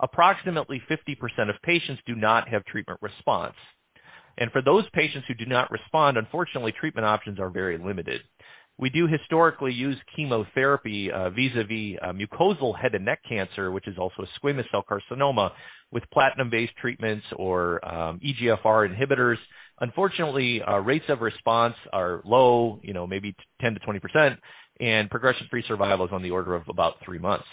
approximately 50% of patients do not have treatment response. For those patients who do not respond, unfortunately, treatment options are very limited. We do historically use chemotherapy, vis-a-vis, mucosal head and neck cancer, which is also squamous cell carcinoma, with platinum-based treatments or EGFR inhibitors. Unfortunately, rates of response are low, you know, maybe 10%-20%, and progression-free survival is on the order of about three months.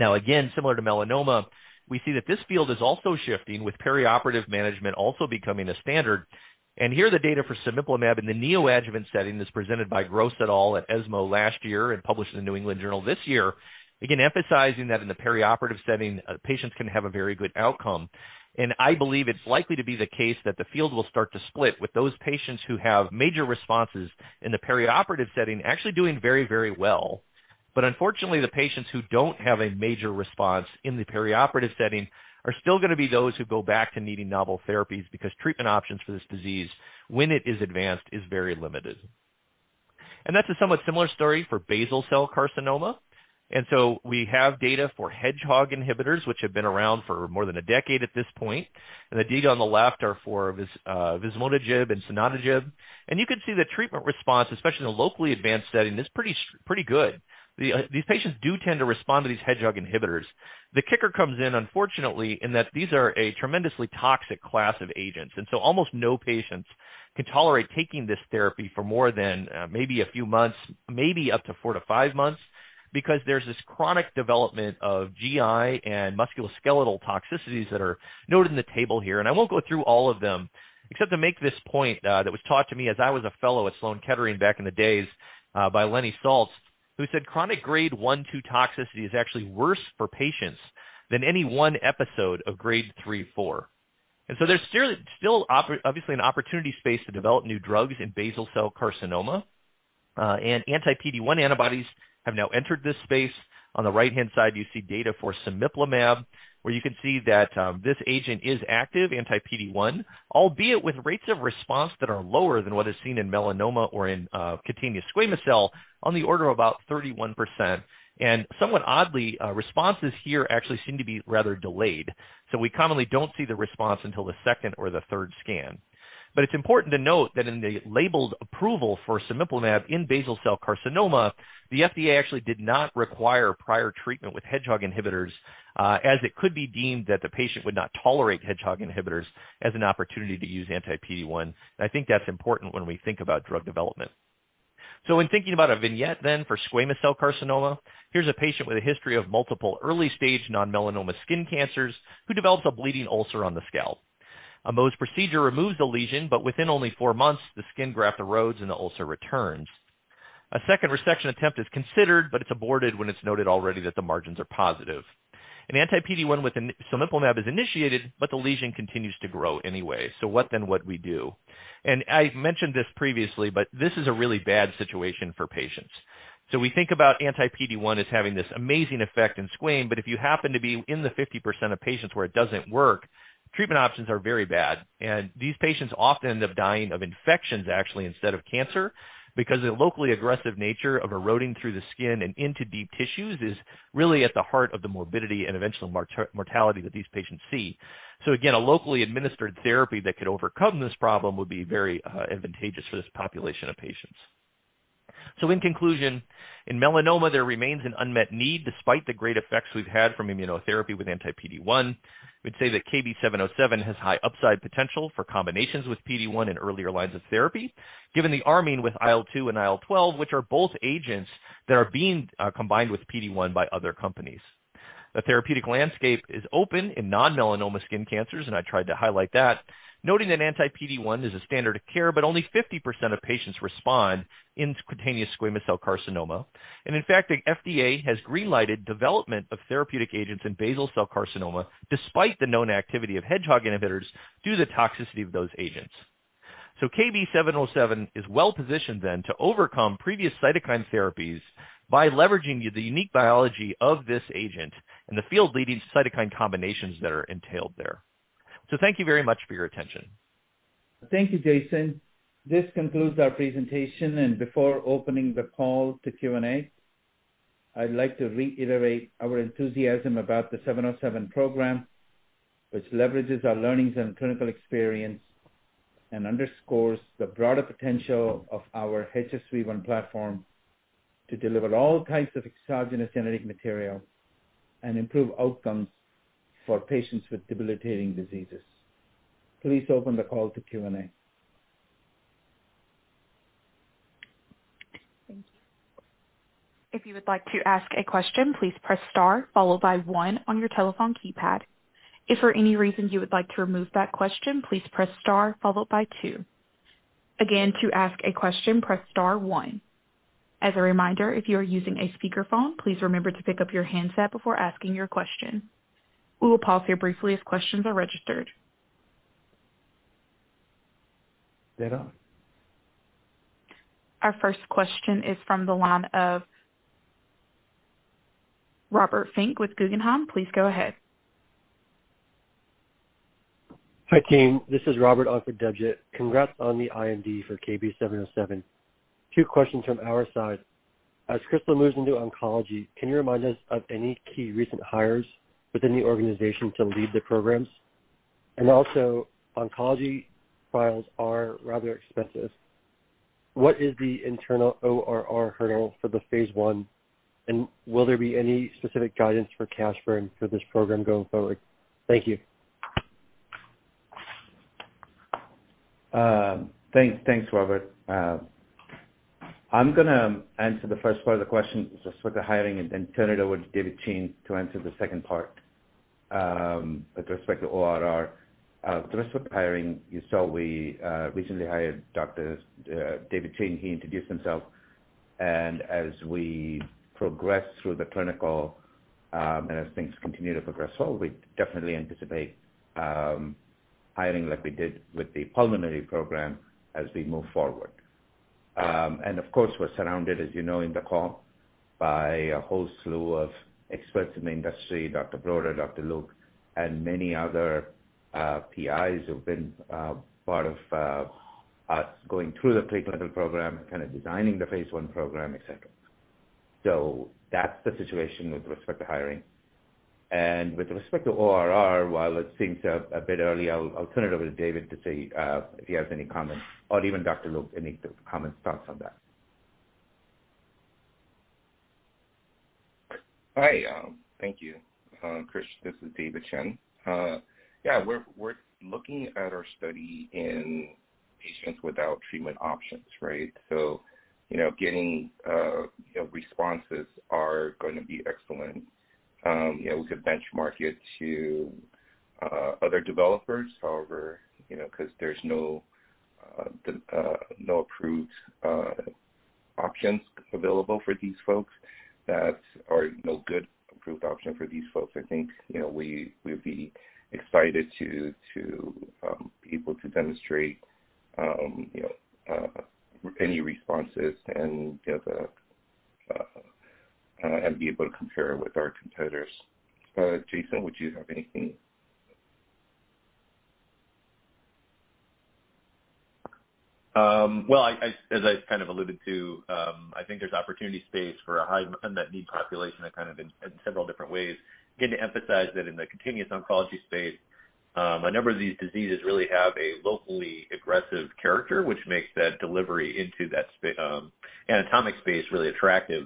Again, similar to melanoma, we see that this field is also shifting, with perioperative management also becoming a standard. Here, the data for cemiplimab in the neoadjuvant setting is presented by Gross et al at ESMO last year and published in The New England Journal this year. Again, emphasizing that in the perioperative setting, patients can have a very good outcome. I believe it's likely to be the case that the field will start to split, with those patients who have major responses in the perioperative setting actually doing very, very well. Unfortunately, the patients who don't have a major response in the perioperative setting are still going to be those who go back to needing novel therapies, because treatment options for this disease, when it is advanced, is very limited. That's a somewhat similar story for basal cell carcinoma. We have data for Hedgehog inhibitors, which have been around for more than a decade at this point. The data on the left are for vismodegib and sonidegib. You can see the treatment response, especially in a locally advanced setting, is pretty, pretty good. These patients do tend to respond to these Hedgehog inhibitors. The kicker comes in, unfortunately, in that these are a tremendously toxic class of agents, and so almost no patients can tolerate taking this therapy for more than maybe a few months, maybe up to four to five months, because there's this chronic development of GI and musculoskeletal toxicities that are noted in the table here. I won't go through all of them, except to make this point, that was taught to me as I was a fellow at Memorial Sloan Kettering Cancer Center back in the days, by Leonard Saltz, who said, "Chronic grade one, two toxicity is actually worse for patients than any one episode of grade three, four." There's still obviously an opportunity space to develop new drugs in basal cell carcinoma. Anti-PD-1 antibodies have now entered this space. On the right-hand side, you see data for cemiplimab, where you can see that this agent is active, anti-PD-1, albeit with rates of response that are lower than what is seen in melanoma or in cutaneous squamous cell on the order of about 31%. Somewhat oddly, responses here actually seem to be rather delayed, so we commonly don't see the response until the second or the third scan. It's important to note that in the labeled approval for cemiplimab in basal cell carcinoma, the FDA actually did not require prior treatment with Hedgehog inhibitors, as it could be deemed that the patient would not tolerate Hedgehog inhibitors as an opportunity to use anti-PD-1. I think that's important when we think about drug development. In thinking about a vignette then for squamous cell carcinoma, here's a patient with a history of multiple early-stage non-melanoma skin cancers, who develops a bleeding ulcer on the scalp. A Mohs procedure removes the lesion, within only four months, the skin graft erodes and the ulcer returns. A second resection attempt is considered, but it's aborted when it's noted already that the margins are positive. An anti-PD-1 with an cemiplimab is initiated, but the lesion continues to grow anyway. What then would we do? I've mentioned this previously, but this is a really bad situation for patients. We think about anti-PD-1 as having this amazing effect in squam, but if you happen to be in the 50% of patients where it doesn't work, treatment options are very bad, and these patients often end up dying of infections actually, instead of cancer, because the locally aggressive nature of eroding through the skin and into deep tissues is really at the heart of the morbidity and eventual mortality that these patients see. Again, a locally administered therapy that could overcome this problem would be very advantageous for this population of patients. In conclusion, in melanoma, there remains an unmet need despite the great effects we've had from immunotherapy with anti-PD-1. We'd say that KB-707 has high upside potential for combinations with PD-1 in earlier lines of therapy, given the arming with IL-2 and IL-12, which are both agents that are being combined with PD-1 by other companies. The therapeutic landscape is open in non-melanoma skin cancers, and I tried to highlight that, noting that anti-PD-1 is a standard of care, but only 50% of patients respond in cutaneous squamous cell carcinoma. In fact, the FDA has green lighted development of therapeutic agents in basal cell carcinoma despite the known activity of Hedgehog inhibitors, due to the toxicity of those agents. KB-707 is well positioned to overcome previous cytokine therapies by leveraging the unique biology of this agent and the field-leading cytokine combinations that are entailed there. Thank you very much for your attention. Thank you, Jason. This concludes our presentation. Before opening the call to Q&A, I'd like to reiterate our enthusiasm about the 707 program, which leverages our learnings and clinical experience and underscores the broader potential of our HSV-1 platform to deliver all types of exogenous genetic material and improve outcomes for patients with debilitating diseases. Please open the call to Q&A. Thank you. If you would like to ask a question, please press star followed by one on your telephone keypad. If for any reason you would like to remove that question, please press star followed by two. Again, to ask a question, press star one. As a reminder, if you are using a speakerphone, please remember to pick up your handset before asking your question. We will pause here briefly as questions are registered. They are. Our first question is from the line of Robert Finn with Guggenheim. Please go ahead. Hi, team. This is Robert Fink off of Deutsche Bank. Congrats on the IND for KB-707. Two questions from our side: As Krystal Biotech moves into oncology, can you remind us of any key recent hires within the organization to lead the programs? Oncology files are rather expensive. What is the internal ORR hurdle for the phase I, and will there be any specific guidance for cash burn for this program going forward? Thank you. Thanks, Robert. I'm gonna answer the first part of the question with respect to hiring, then turn it over to David Chien to answer the second part with respect to ORR. With respect to hiring, you saw we recently hired doctors, David Chien, he introduced himself. As we progress through the clinical, and as things continue to progress well, we definitely anticipate hiring like we did with the pulmonary program as we move forward. Of course, we're surrounded, as you know, in the call, by a whole slew of experts in the industry, Dr. Broder, Dr. Luke, and many other PIs who've been part of us going through the preclinical program, kind of designing the phase I program, et cetera. That's the situation with respect to hiring. With respect to ORR, while it seems a bit early, I'll turn it over to David to see if he has any comments or even Dr. Luke, any comments, thoughts on that? Hi, thank you. Krish, this is David Chien. Yeah, we're looking at our study in patients without treatment options, right? You know, getting, you know, responses are going to be excellent. You know, we could benchmark it to other developers. You know, 'cause there's no approved options available for these folks no good approved option for these folks. I think, you know, we'd be excited to be able to demonstrate, you know, any responses and get and be able to compare with our competitors. Jason, would you have anything? Well, I, as I kind of alluded to, I think there's opportunity space for a high unmet need population and kind of in, in several different ways. Again, to emphasize that in the continuous oncology space, a number of these diseases really have a locally aggressive character, which makes that delivery into that anatomic space really attractive.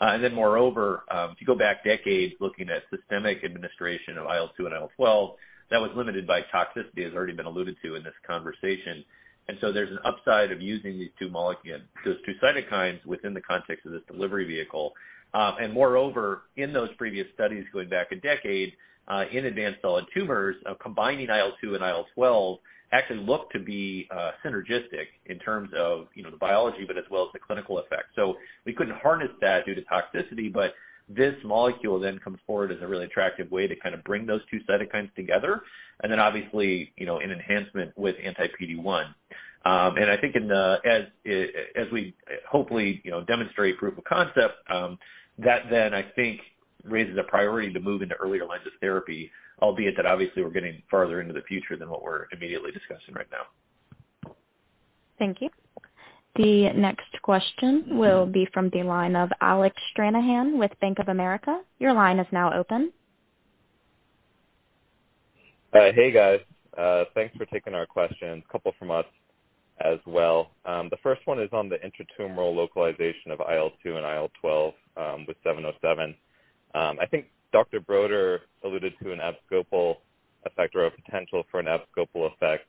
Moreover, if you go back decades, looking at systemic administration of IL-2 and IL-12, that was limited by toxicity, as already been alluded to in this conversation. There's an upside of using these two molecules, those two cytokines, within the context of this delivery vehicle. Moreover, in those previous studies, going back a decade, in advanced solid tumors, combining IL-2 and IL-12 actually looked to be synergistic in terms of, you know, the biology, but as well as the clinical effect. We couldn't harness that due to toxicity. This molecule then comes forward as a really attractive way to kind of bring those two cytokines together, and then obviously, you know, in enhancement with anti-PD-1. I think in the, as, as we hopefully, you know, demonstrate proof of concept, that then I think raises a priority to move into earlier lines of therapy, albeit that obviously we're getting farther into the future than what we're immediately discussing right now. Thank you. The next question will be from the line of Alec Stranahan with Bank of America. Your line is now open. Hey, guys. Thanks for taking our questions. A couple from us as well. The first one is on the intratumoral localization of IL-2 and IL-12 with seven oh seven. I think Dr. Broder alluded to an abscopal effect or a potential for an abscopal effect.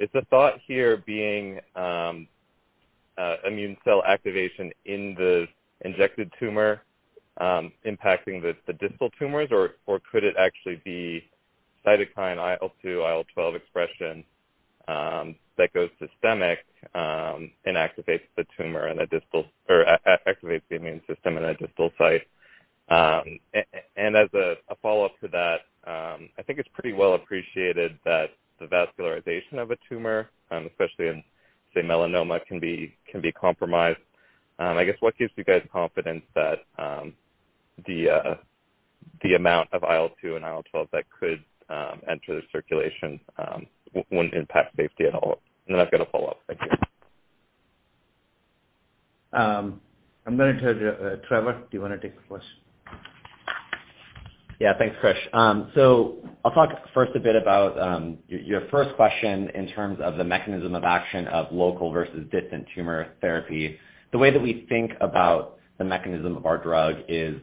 Is the thought here being, immune cell activation in the injected tumor impacting the distal tumors, or could it actually be cytokine IL-2, IL-12 expression that goes systemic and activates the immune system in a distal site? As a follow-up to that, I think it's pretty well appreciated that the vascularization of a tumor, especially in, say, melanoma, can be compromised. I guess what gives you guys confidence that the amount of IL-2 and IL-12 that could enter the circulation wouldn't impact safety at all? I've got a follow-up. Thank you. I'm gonna turn to Trevor, do you wanna take the first? Yeah. Thanks, Krish. I'll talk first a bit about your first question in terms of the mechanism of action of local versus distant tumor therapy. The way that we think about the mechanism of our drug is,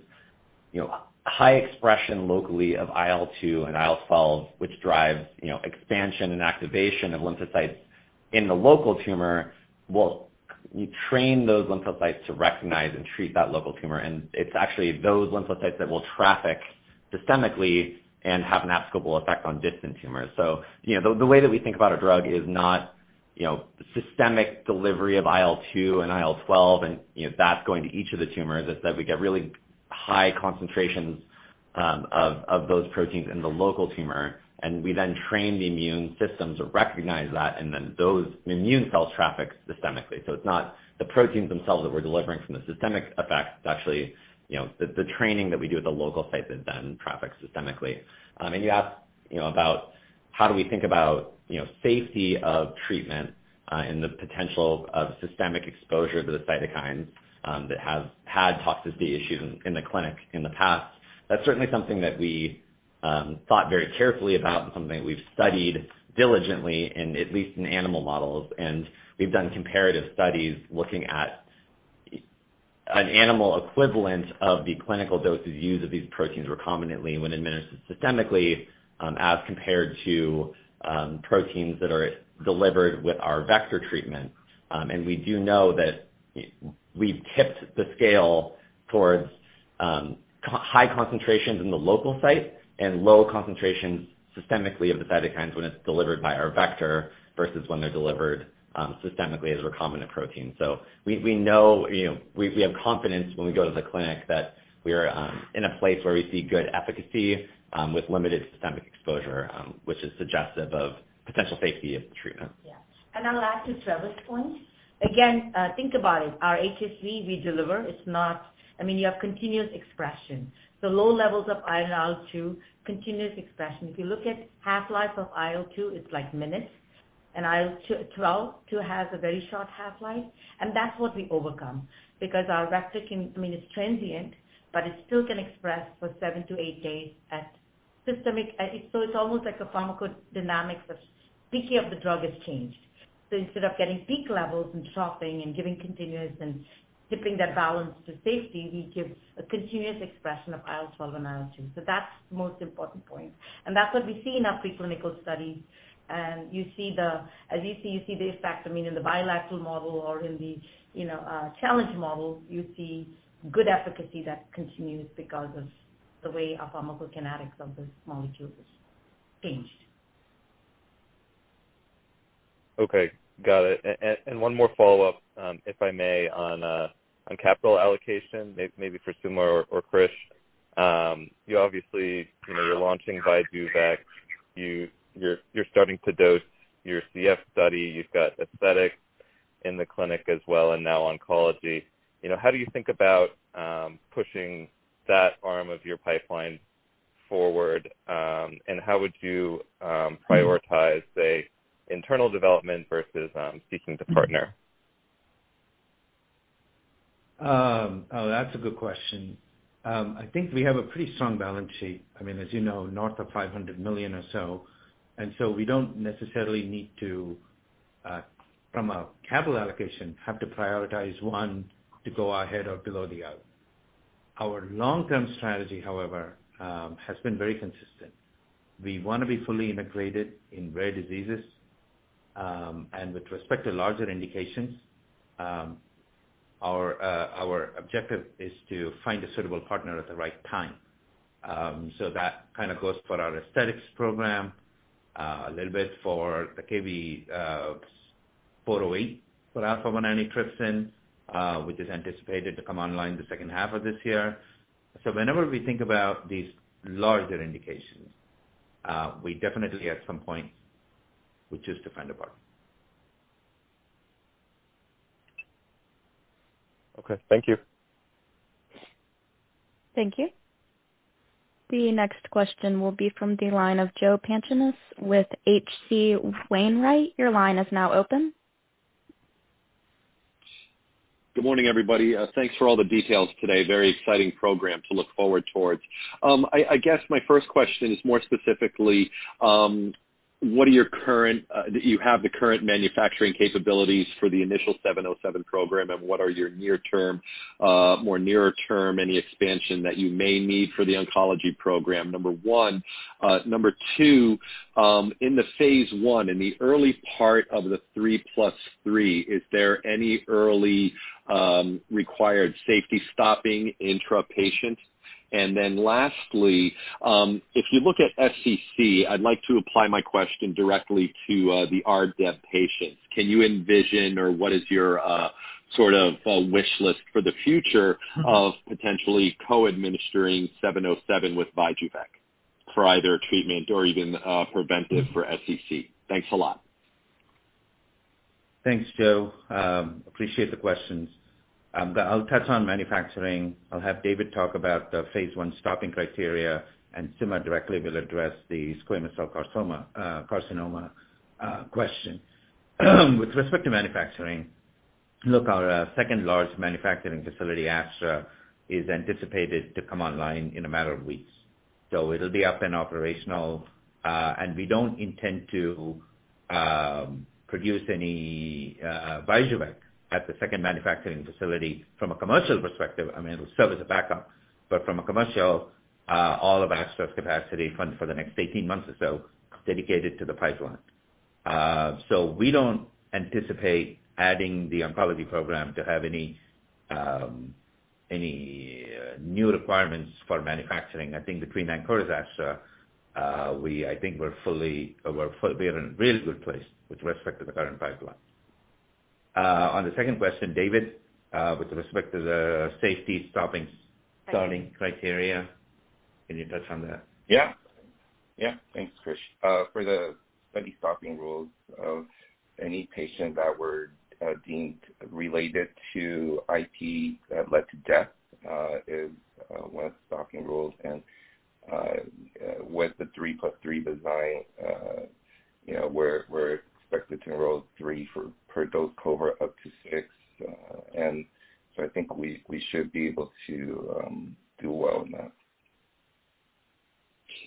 you know, high expression locally of IL-2 and IL-12, which drives, you know, expansion and activation of lymphocytes in the local tumor, will train those lymphocytes to recognize and treat that local tumor. It's actually those lymphocytes that will traffic systemically and have an abscopal effect on distant tumors. You know, the way that we think about our drug is not, you know, systemic delivery of IL-2 and IL-12, and, you know, that's going to each of the tumors. It's that we get really high concentrations of, of those proteins in the local tumor, and we then train the immune systems to recognize that, and then those immune cells traffic systemically. It's not the proteins themselves that we're delivering from the systemic effect. It's actually, you know, the, the training that we do at the local site that then traffics systemically. You asked, you know, about how do we think about, you know, safety of treatment and the potential of systemic exposure to the cytokine that has had toxicity issues in, in the clinic in the past. That's certainly something that we thought very carefully about and something we've studied diligently in, at least in animal models. We've done comparative studies looking at. An animal equivalent of the clinical doses used of these proteins recombinantly when administered systemically, as compared to proteins that are delivered with our vector treatment. We do know that we've tipped the scale towards high concentrations in the local site and low concentrations systemically of the cytokines when it's delivered by our vector, versus when they're delivered systemically as a recombinant protein. We, we know, you know, we, we have confidence when we go to the clinic that we are in a place where we see good efficacy with limited systemic exposure, which is suggestive of potential safety of the treatment. Yeah. I'll add to Trevor's point. Again, think about it, our HSV we deliver, you have continuous expression. Low levels of IL-2, continuous expression. If you look at half-life of IL-2, it's like minutes, and IL-2 has a very short half-life, and that's what we overcome. Because our vector can, it's transient, but it still can express for seven to eight days at systemic. It's almost like a pharmacodynamics of thinking of the drug is changed. Instead of getting peak levels and dropping and giving continuous and tipping that balance to safety, we give a continuous expression of IL-12 and IL-2. That's the most important point, and that's what we see in our preclinical study. You see the, as you see, you see the effect, I mean, in the bilateral model or in the, you know, challenge model, you see good efficacy that continues because of the way our pharmacokinetics of this molecule is changed. Okay, got it. One more follow-up, if I may, on capital allocation, maybe for Suma or Krish? You obviously, you know, you're launching VYJUVEK. You're, you're starting to dose your CF study. You've got aesthetics in the clinic as well, and now oncology. You know, how do you think about pushing that arm of your pipeline forward? How would you prioritize, say, internal development versus seeking to partner? Oh, that's a good question. I think we have a pretty strong balance sheet. I mean, as you know, north of $500 million or so, we don't necessarily need to, from a capital allocation, have to prioritize one to go ahead or below the other. Our long-term strategy, however, has been very consistent. We want to be fully integrated in rare diseases, and with respect to larger indications, our objective is to find a suitable partner at the right time. That kind of goes for our aesthetics program, a little bit for the KB-408, for afamelanotide, which is anticipated to come online the second half of this year. Whenever we think about these larger indications, we definitely at some point will choose to find a partner. Okay, thank you. Thank you. The next question will be from the line of Joseph Pantginis with H.C. Wainwright. Your line is now open. Good morning, everybody. Thanks for all the details today. Very exciting program to look forward towards. I guess my first question is more specifically, what are your current, do you have the current manufacturing capabilities for the initial KB-707 program, and what are your near-term, more nearer-term, any expansion that you may need for the oncology program? Number one, number two, in the phase I, in the early part of the 3+3, is there any early required safety stopping intrapatient? Lastly, if you look at SCC, I'd like to apply my question directly to the RDEB patients. Can you envision, or what is your sort of a wish list for the future of potentially co-administering KB-707 with VYJUVEK for either treatment or even preventive for SCC? Thanks a lot. Thanks, Joe. Appreciate the questions. I'll touch on manufacturing. I'll have David talk about the phase I stopping criteria, Suma Krishnan directly will address the squamous cell carcinoma question. With respect to manufacturing, look, our second-largest manufacturing facility, Astra, is anticipated to come online in a matter of weeks. It'll be up and operational, we don't intend to produce any VYJUVEK at the second manufacturing facility from a commercial perspective. I mean, it'll serve as a backup, from a commercial, all of Astra's capacity fund for the next 18 months or so is dedicated to the pipeline. We don't anticipate adding the oncology program to have any new requirements for manufacturing. I think between that and Astra, we're fully, we're in a really good place with respect to the current pipeline. On the second question, David, with respect to the safety stopping criteria, can you touch on that? Yeah. Yeah, thanks, Krish. for the study stopping rules of any patient that were deemed related to IP, led to death, is one of the stopping rules. With the 3+3 design, you know, we're, we're expected to enroll three for per dose cohort up to six, and so I think we, we should be able to do well in that.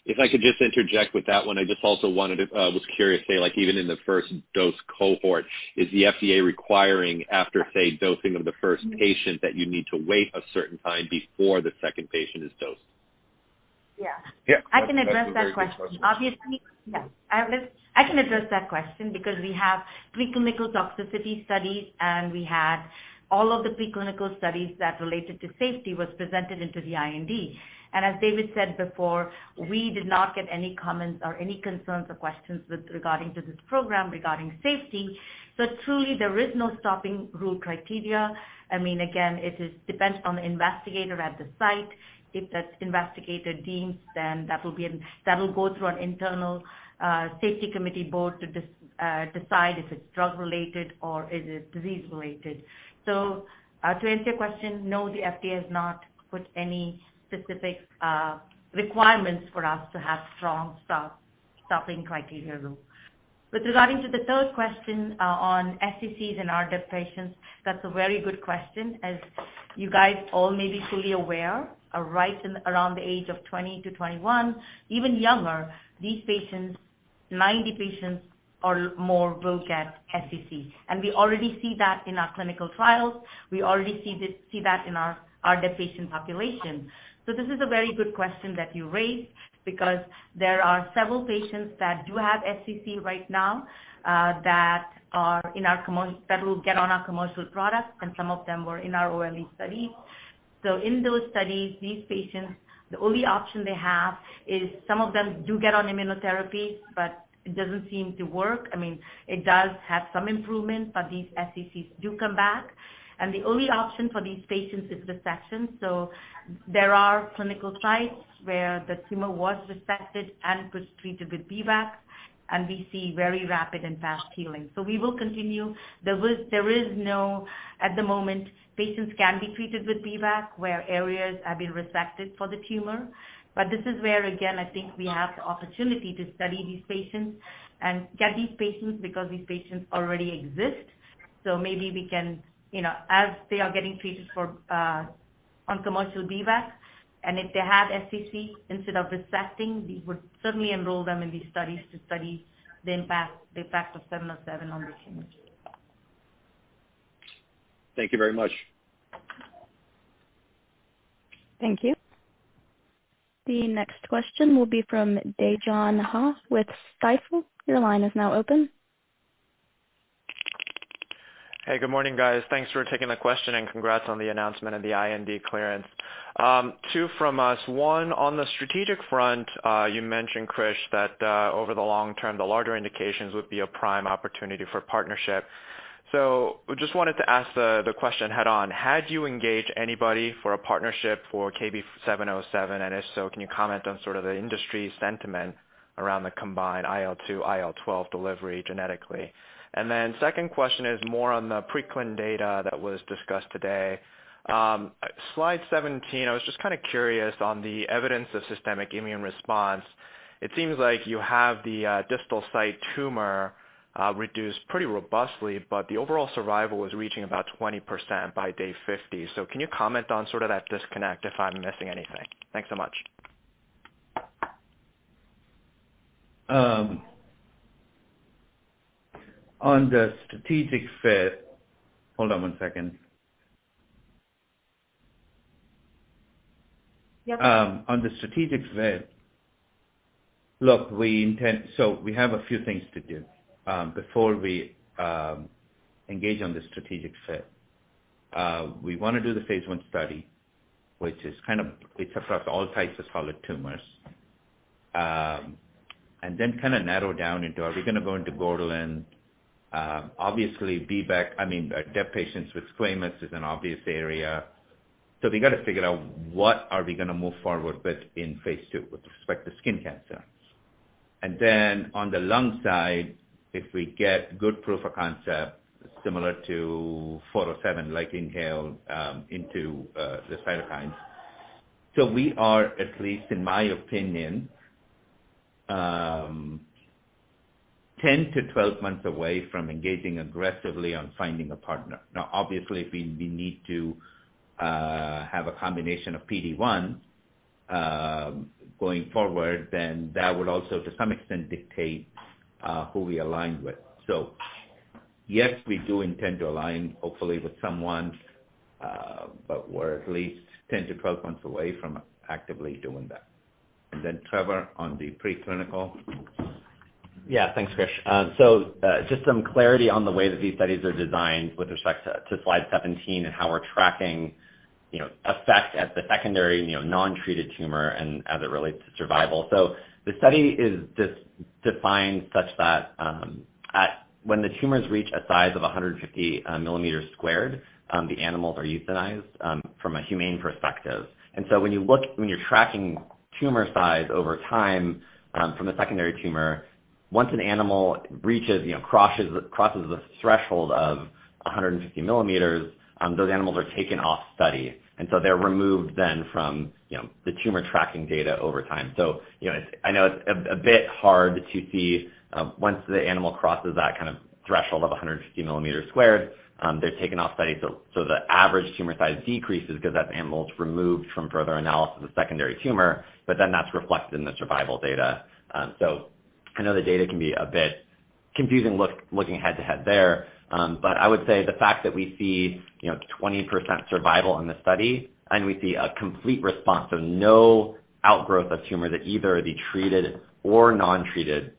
If I could just interject with that one, I just also wanted to, was curious, like even in the first dose cohort, is the FDA requiring, after dosing of the first patient, that you need to wait a certain time before the second patient is dosed? Yeah. Yeah. I can address that question. Obviously, yeah. I can address that question because we have preclinical toxicity studies, and we had all of the preclinical studies that related to safety was presented into the IND. As David said before, we did not get any comments or any concerns or questions with regarding to this program regarding safety. Truly, there is no stopping rule criteria. I mean, again, it is depends on the investigator at the site. If that investigator deems, then that will be that will go through an internal safety committee board to decide if it's drug-related or is it disease-related. To answer your question, no, the FDA has not put any specific requirements for us to have strong stopping criteria rule. With regarding to the third question, on SCCs in our DEB patients, that's a very good question. As you guys all may be fully aware, right in around the age of 20-21, even younger, these patients, 90 patients or more, will get SCC. We already see that in our clinical trials. We already see that in our DEB patient population. This is a very good question that you raised because there are several patients that do have SCC right now, that will get on our commercial product, and some of them were in our OLE study. In those studies, these patients, the only option they have is some of them do get on immunotherapy, but it doesn't seem to work. I mean, it does have some improvement, these SCCs do come back. The only option for these patients is resection. There are clinical sites where the tumor was resected and was treated with B-VEC, and we see very rapid and fast healing. We will continue. There is no, at the moment, patients can be treated with B-VEC, where areas have been resected for the tumor. This is where, again, I think we have the opportunity to study these patients and get these patients because these patients already exist, so maybe we can, you know, as they are getting treated for on commercial B-VEC, and if they have SCC, instead of resecting, we would certainly enroll them in these studies to study the impact of KB-707 on the tumor. Thank you very much. Thank you. The next question will be from Dae Gon Ha with Stifel. Your line is now open. Hey, good morning, guys. Thanks for taking the question. Congrats on the announcement of the IND clearance. Two from us. One, on the strategic front, you mentioned, Krish, that over the long term, the larger indications would be a prime opportunity for partnership. We just wanted to ask the question head-on: Had you engaged anybody for a partnership for KB-707? If so, can you comment on sort of the industry sentiment around the combined IL-2/IL-12 delivery genetically? The second question is more on the preclin data that was discussed today. On slide 17, I was just kind of curious on the evidence of systemic immune response. It seems like you have the distal site tumor reduced pretty robustly, but the overall survival was reaching about 20% by day 50. Can you comment on sort of that disconnect, if I'm missing anything? Thanks so much. On the strategic fit... Hold on one second. Yep. On the strategic fit, look, we have a few things to do before we engage on the strategic fit. We wanna do the phase I study, which is kind of, which affects all types of solid tumors. Then kind of narrow down into, are we gonna go into borderline? Obviously, B-VEC, I mean, DEB patients with squamous is an obvious area. We got to figure out what are we gonna move forward with in phase II, with respect to skin cancer. Then on the lung side, if we get good proof of concept, similar to KB407, like inhale into the cytokines. We are, at least in my opinion, 10-12 months away from engaging aggressively on finding a partner. Obviously, if we need to have a combination of PD-1 going forward, then that would also, to some extent, dictate who we align with. Yes, we do intend to align, hopefully with someone, but we're at least 10-12 months away from actively doing that. Trevor, on the preclinical? Yeah. Thanks, Krish. Just some clarity on the way that these studies are designed with respect to slide 17 and how we're tracking, you know, effect at the secondary, you know, non-treated tumor and as it relates to survival. The study is defined such that, when the tumors reach a size of 150 millimeters squared, the animals are euthanized from a humane perspective. When you look... When you're tracking tumor size over time, from a secondary tumor, once an animal reaches, you know, crosses the threshold of 150 millimeters, those animals are taken off study, they're removed then from, you know, the tumor tracking data over time. You know, it's, I know it's a bit hard to see, once the animal crosses that kind of threshold of 150 millimeters squared, they're taken off study. The average tumor size decreases because that animal's removed from further analysis of secondary tumor. That's reflected in the survival data. I know the data can be a bit confusing looking head-to-head there. I would say the fact that we see, you know, 20% survival in the study, and we see a complete response of no outgrowth of tumors at either the treated or non-treated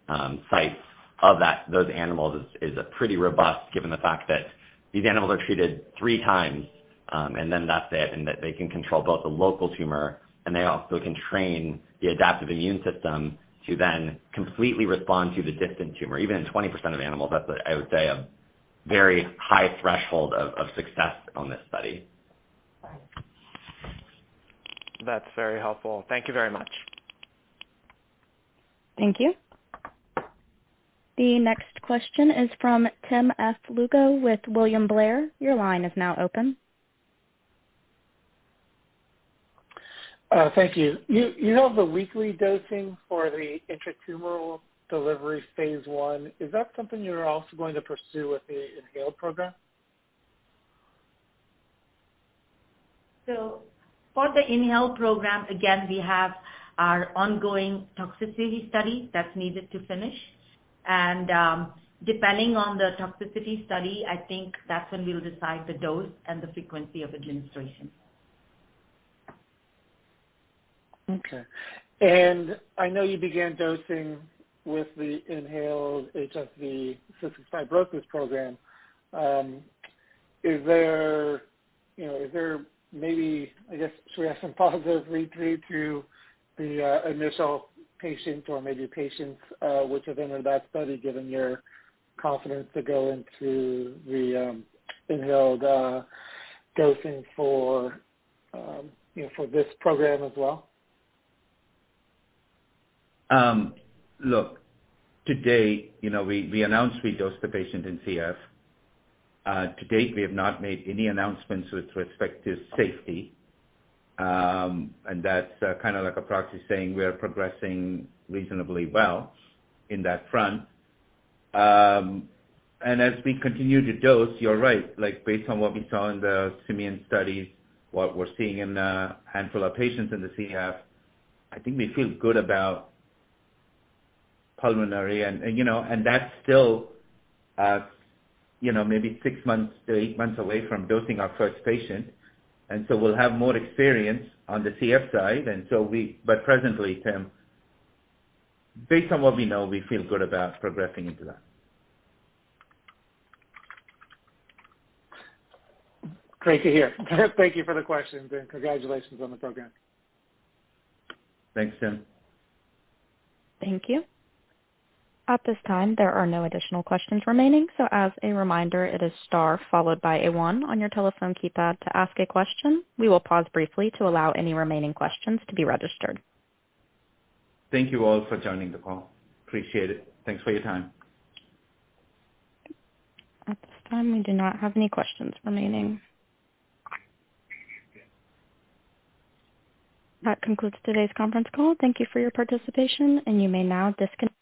sites of that, those animals is a pretty robust, given the fact that these animals are treated three times, and then that's it, and that they can control both the local tumor, and they also can train the adaptive immune system to then completely respond to the distant tumor. Even in 20% of animals, that's, I would say, a very high threshold of success on this study. That's very helpful. Thank you very much. Thank you. The next question is from Tim F. Lugo with William Blair. Your line is now open. Thank you. You have the weekly dosing for the intratumoral delivery phase I. Is that something you're also going to pursue with the inhaled program? For the inhaled program, again, we have our ongoing toxicity study that's needed to finish. Depending on the toxicity study, I think that's when we'll decide the dose and the frequency of administration. Okay. I know you began dosing with the inhaled HSV cystic fibrosis program. Is there, you know, is there maybe, I guess, should we have some positive read through to the initial patient or maybe patients, which have been in that study, given your confidence to go into the inhaled dosing for, you know, for this program as well? Look, today, you know, we announced we dosed the patient in CF. To date, we have not made any announcements with respect to safety. That's kind of like a proxy saying we are progressing reasonably well in that front. As we continue to dose, you're right. Like, based on what we saw in the simian studies, what we're seeing in a handful of patients in the CF, I think we feel good about pulmonary and, you know, that's still, you know, maybe six months to eight months away from dosing our first patient. We'll have more experience on the CF side. Presently, Tim, based on what we know, we feel good about progressing into that. Great to hear. Thank you for the questions and congratulations on the program. Thanks, Tim. Thank you. At this time, there are no additional questions remaining. As a reminder, it is star followed by a one on your telephone keypad to ask a question. We will pause briefly to allow any remaining questions to be registered. Thank you all for joining the call. Appreciate it. Thanks for your time. At this time, we do not have any questions remaining. That concludes today's conference call. Thank you for your participation, and you may now disconnect.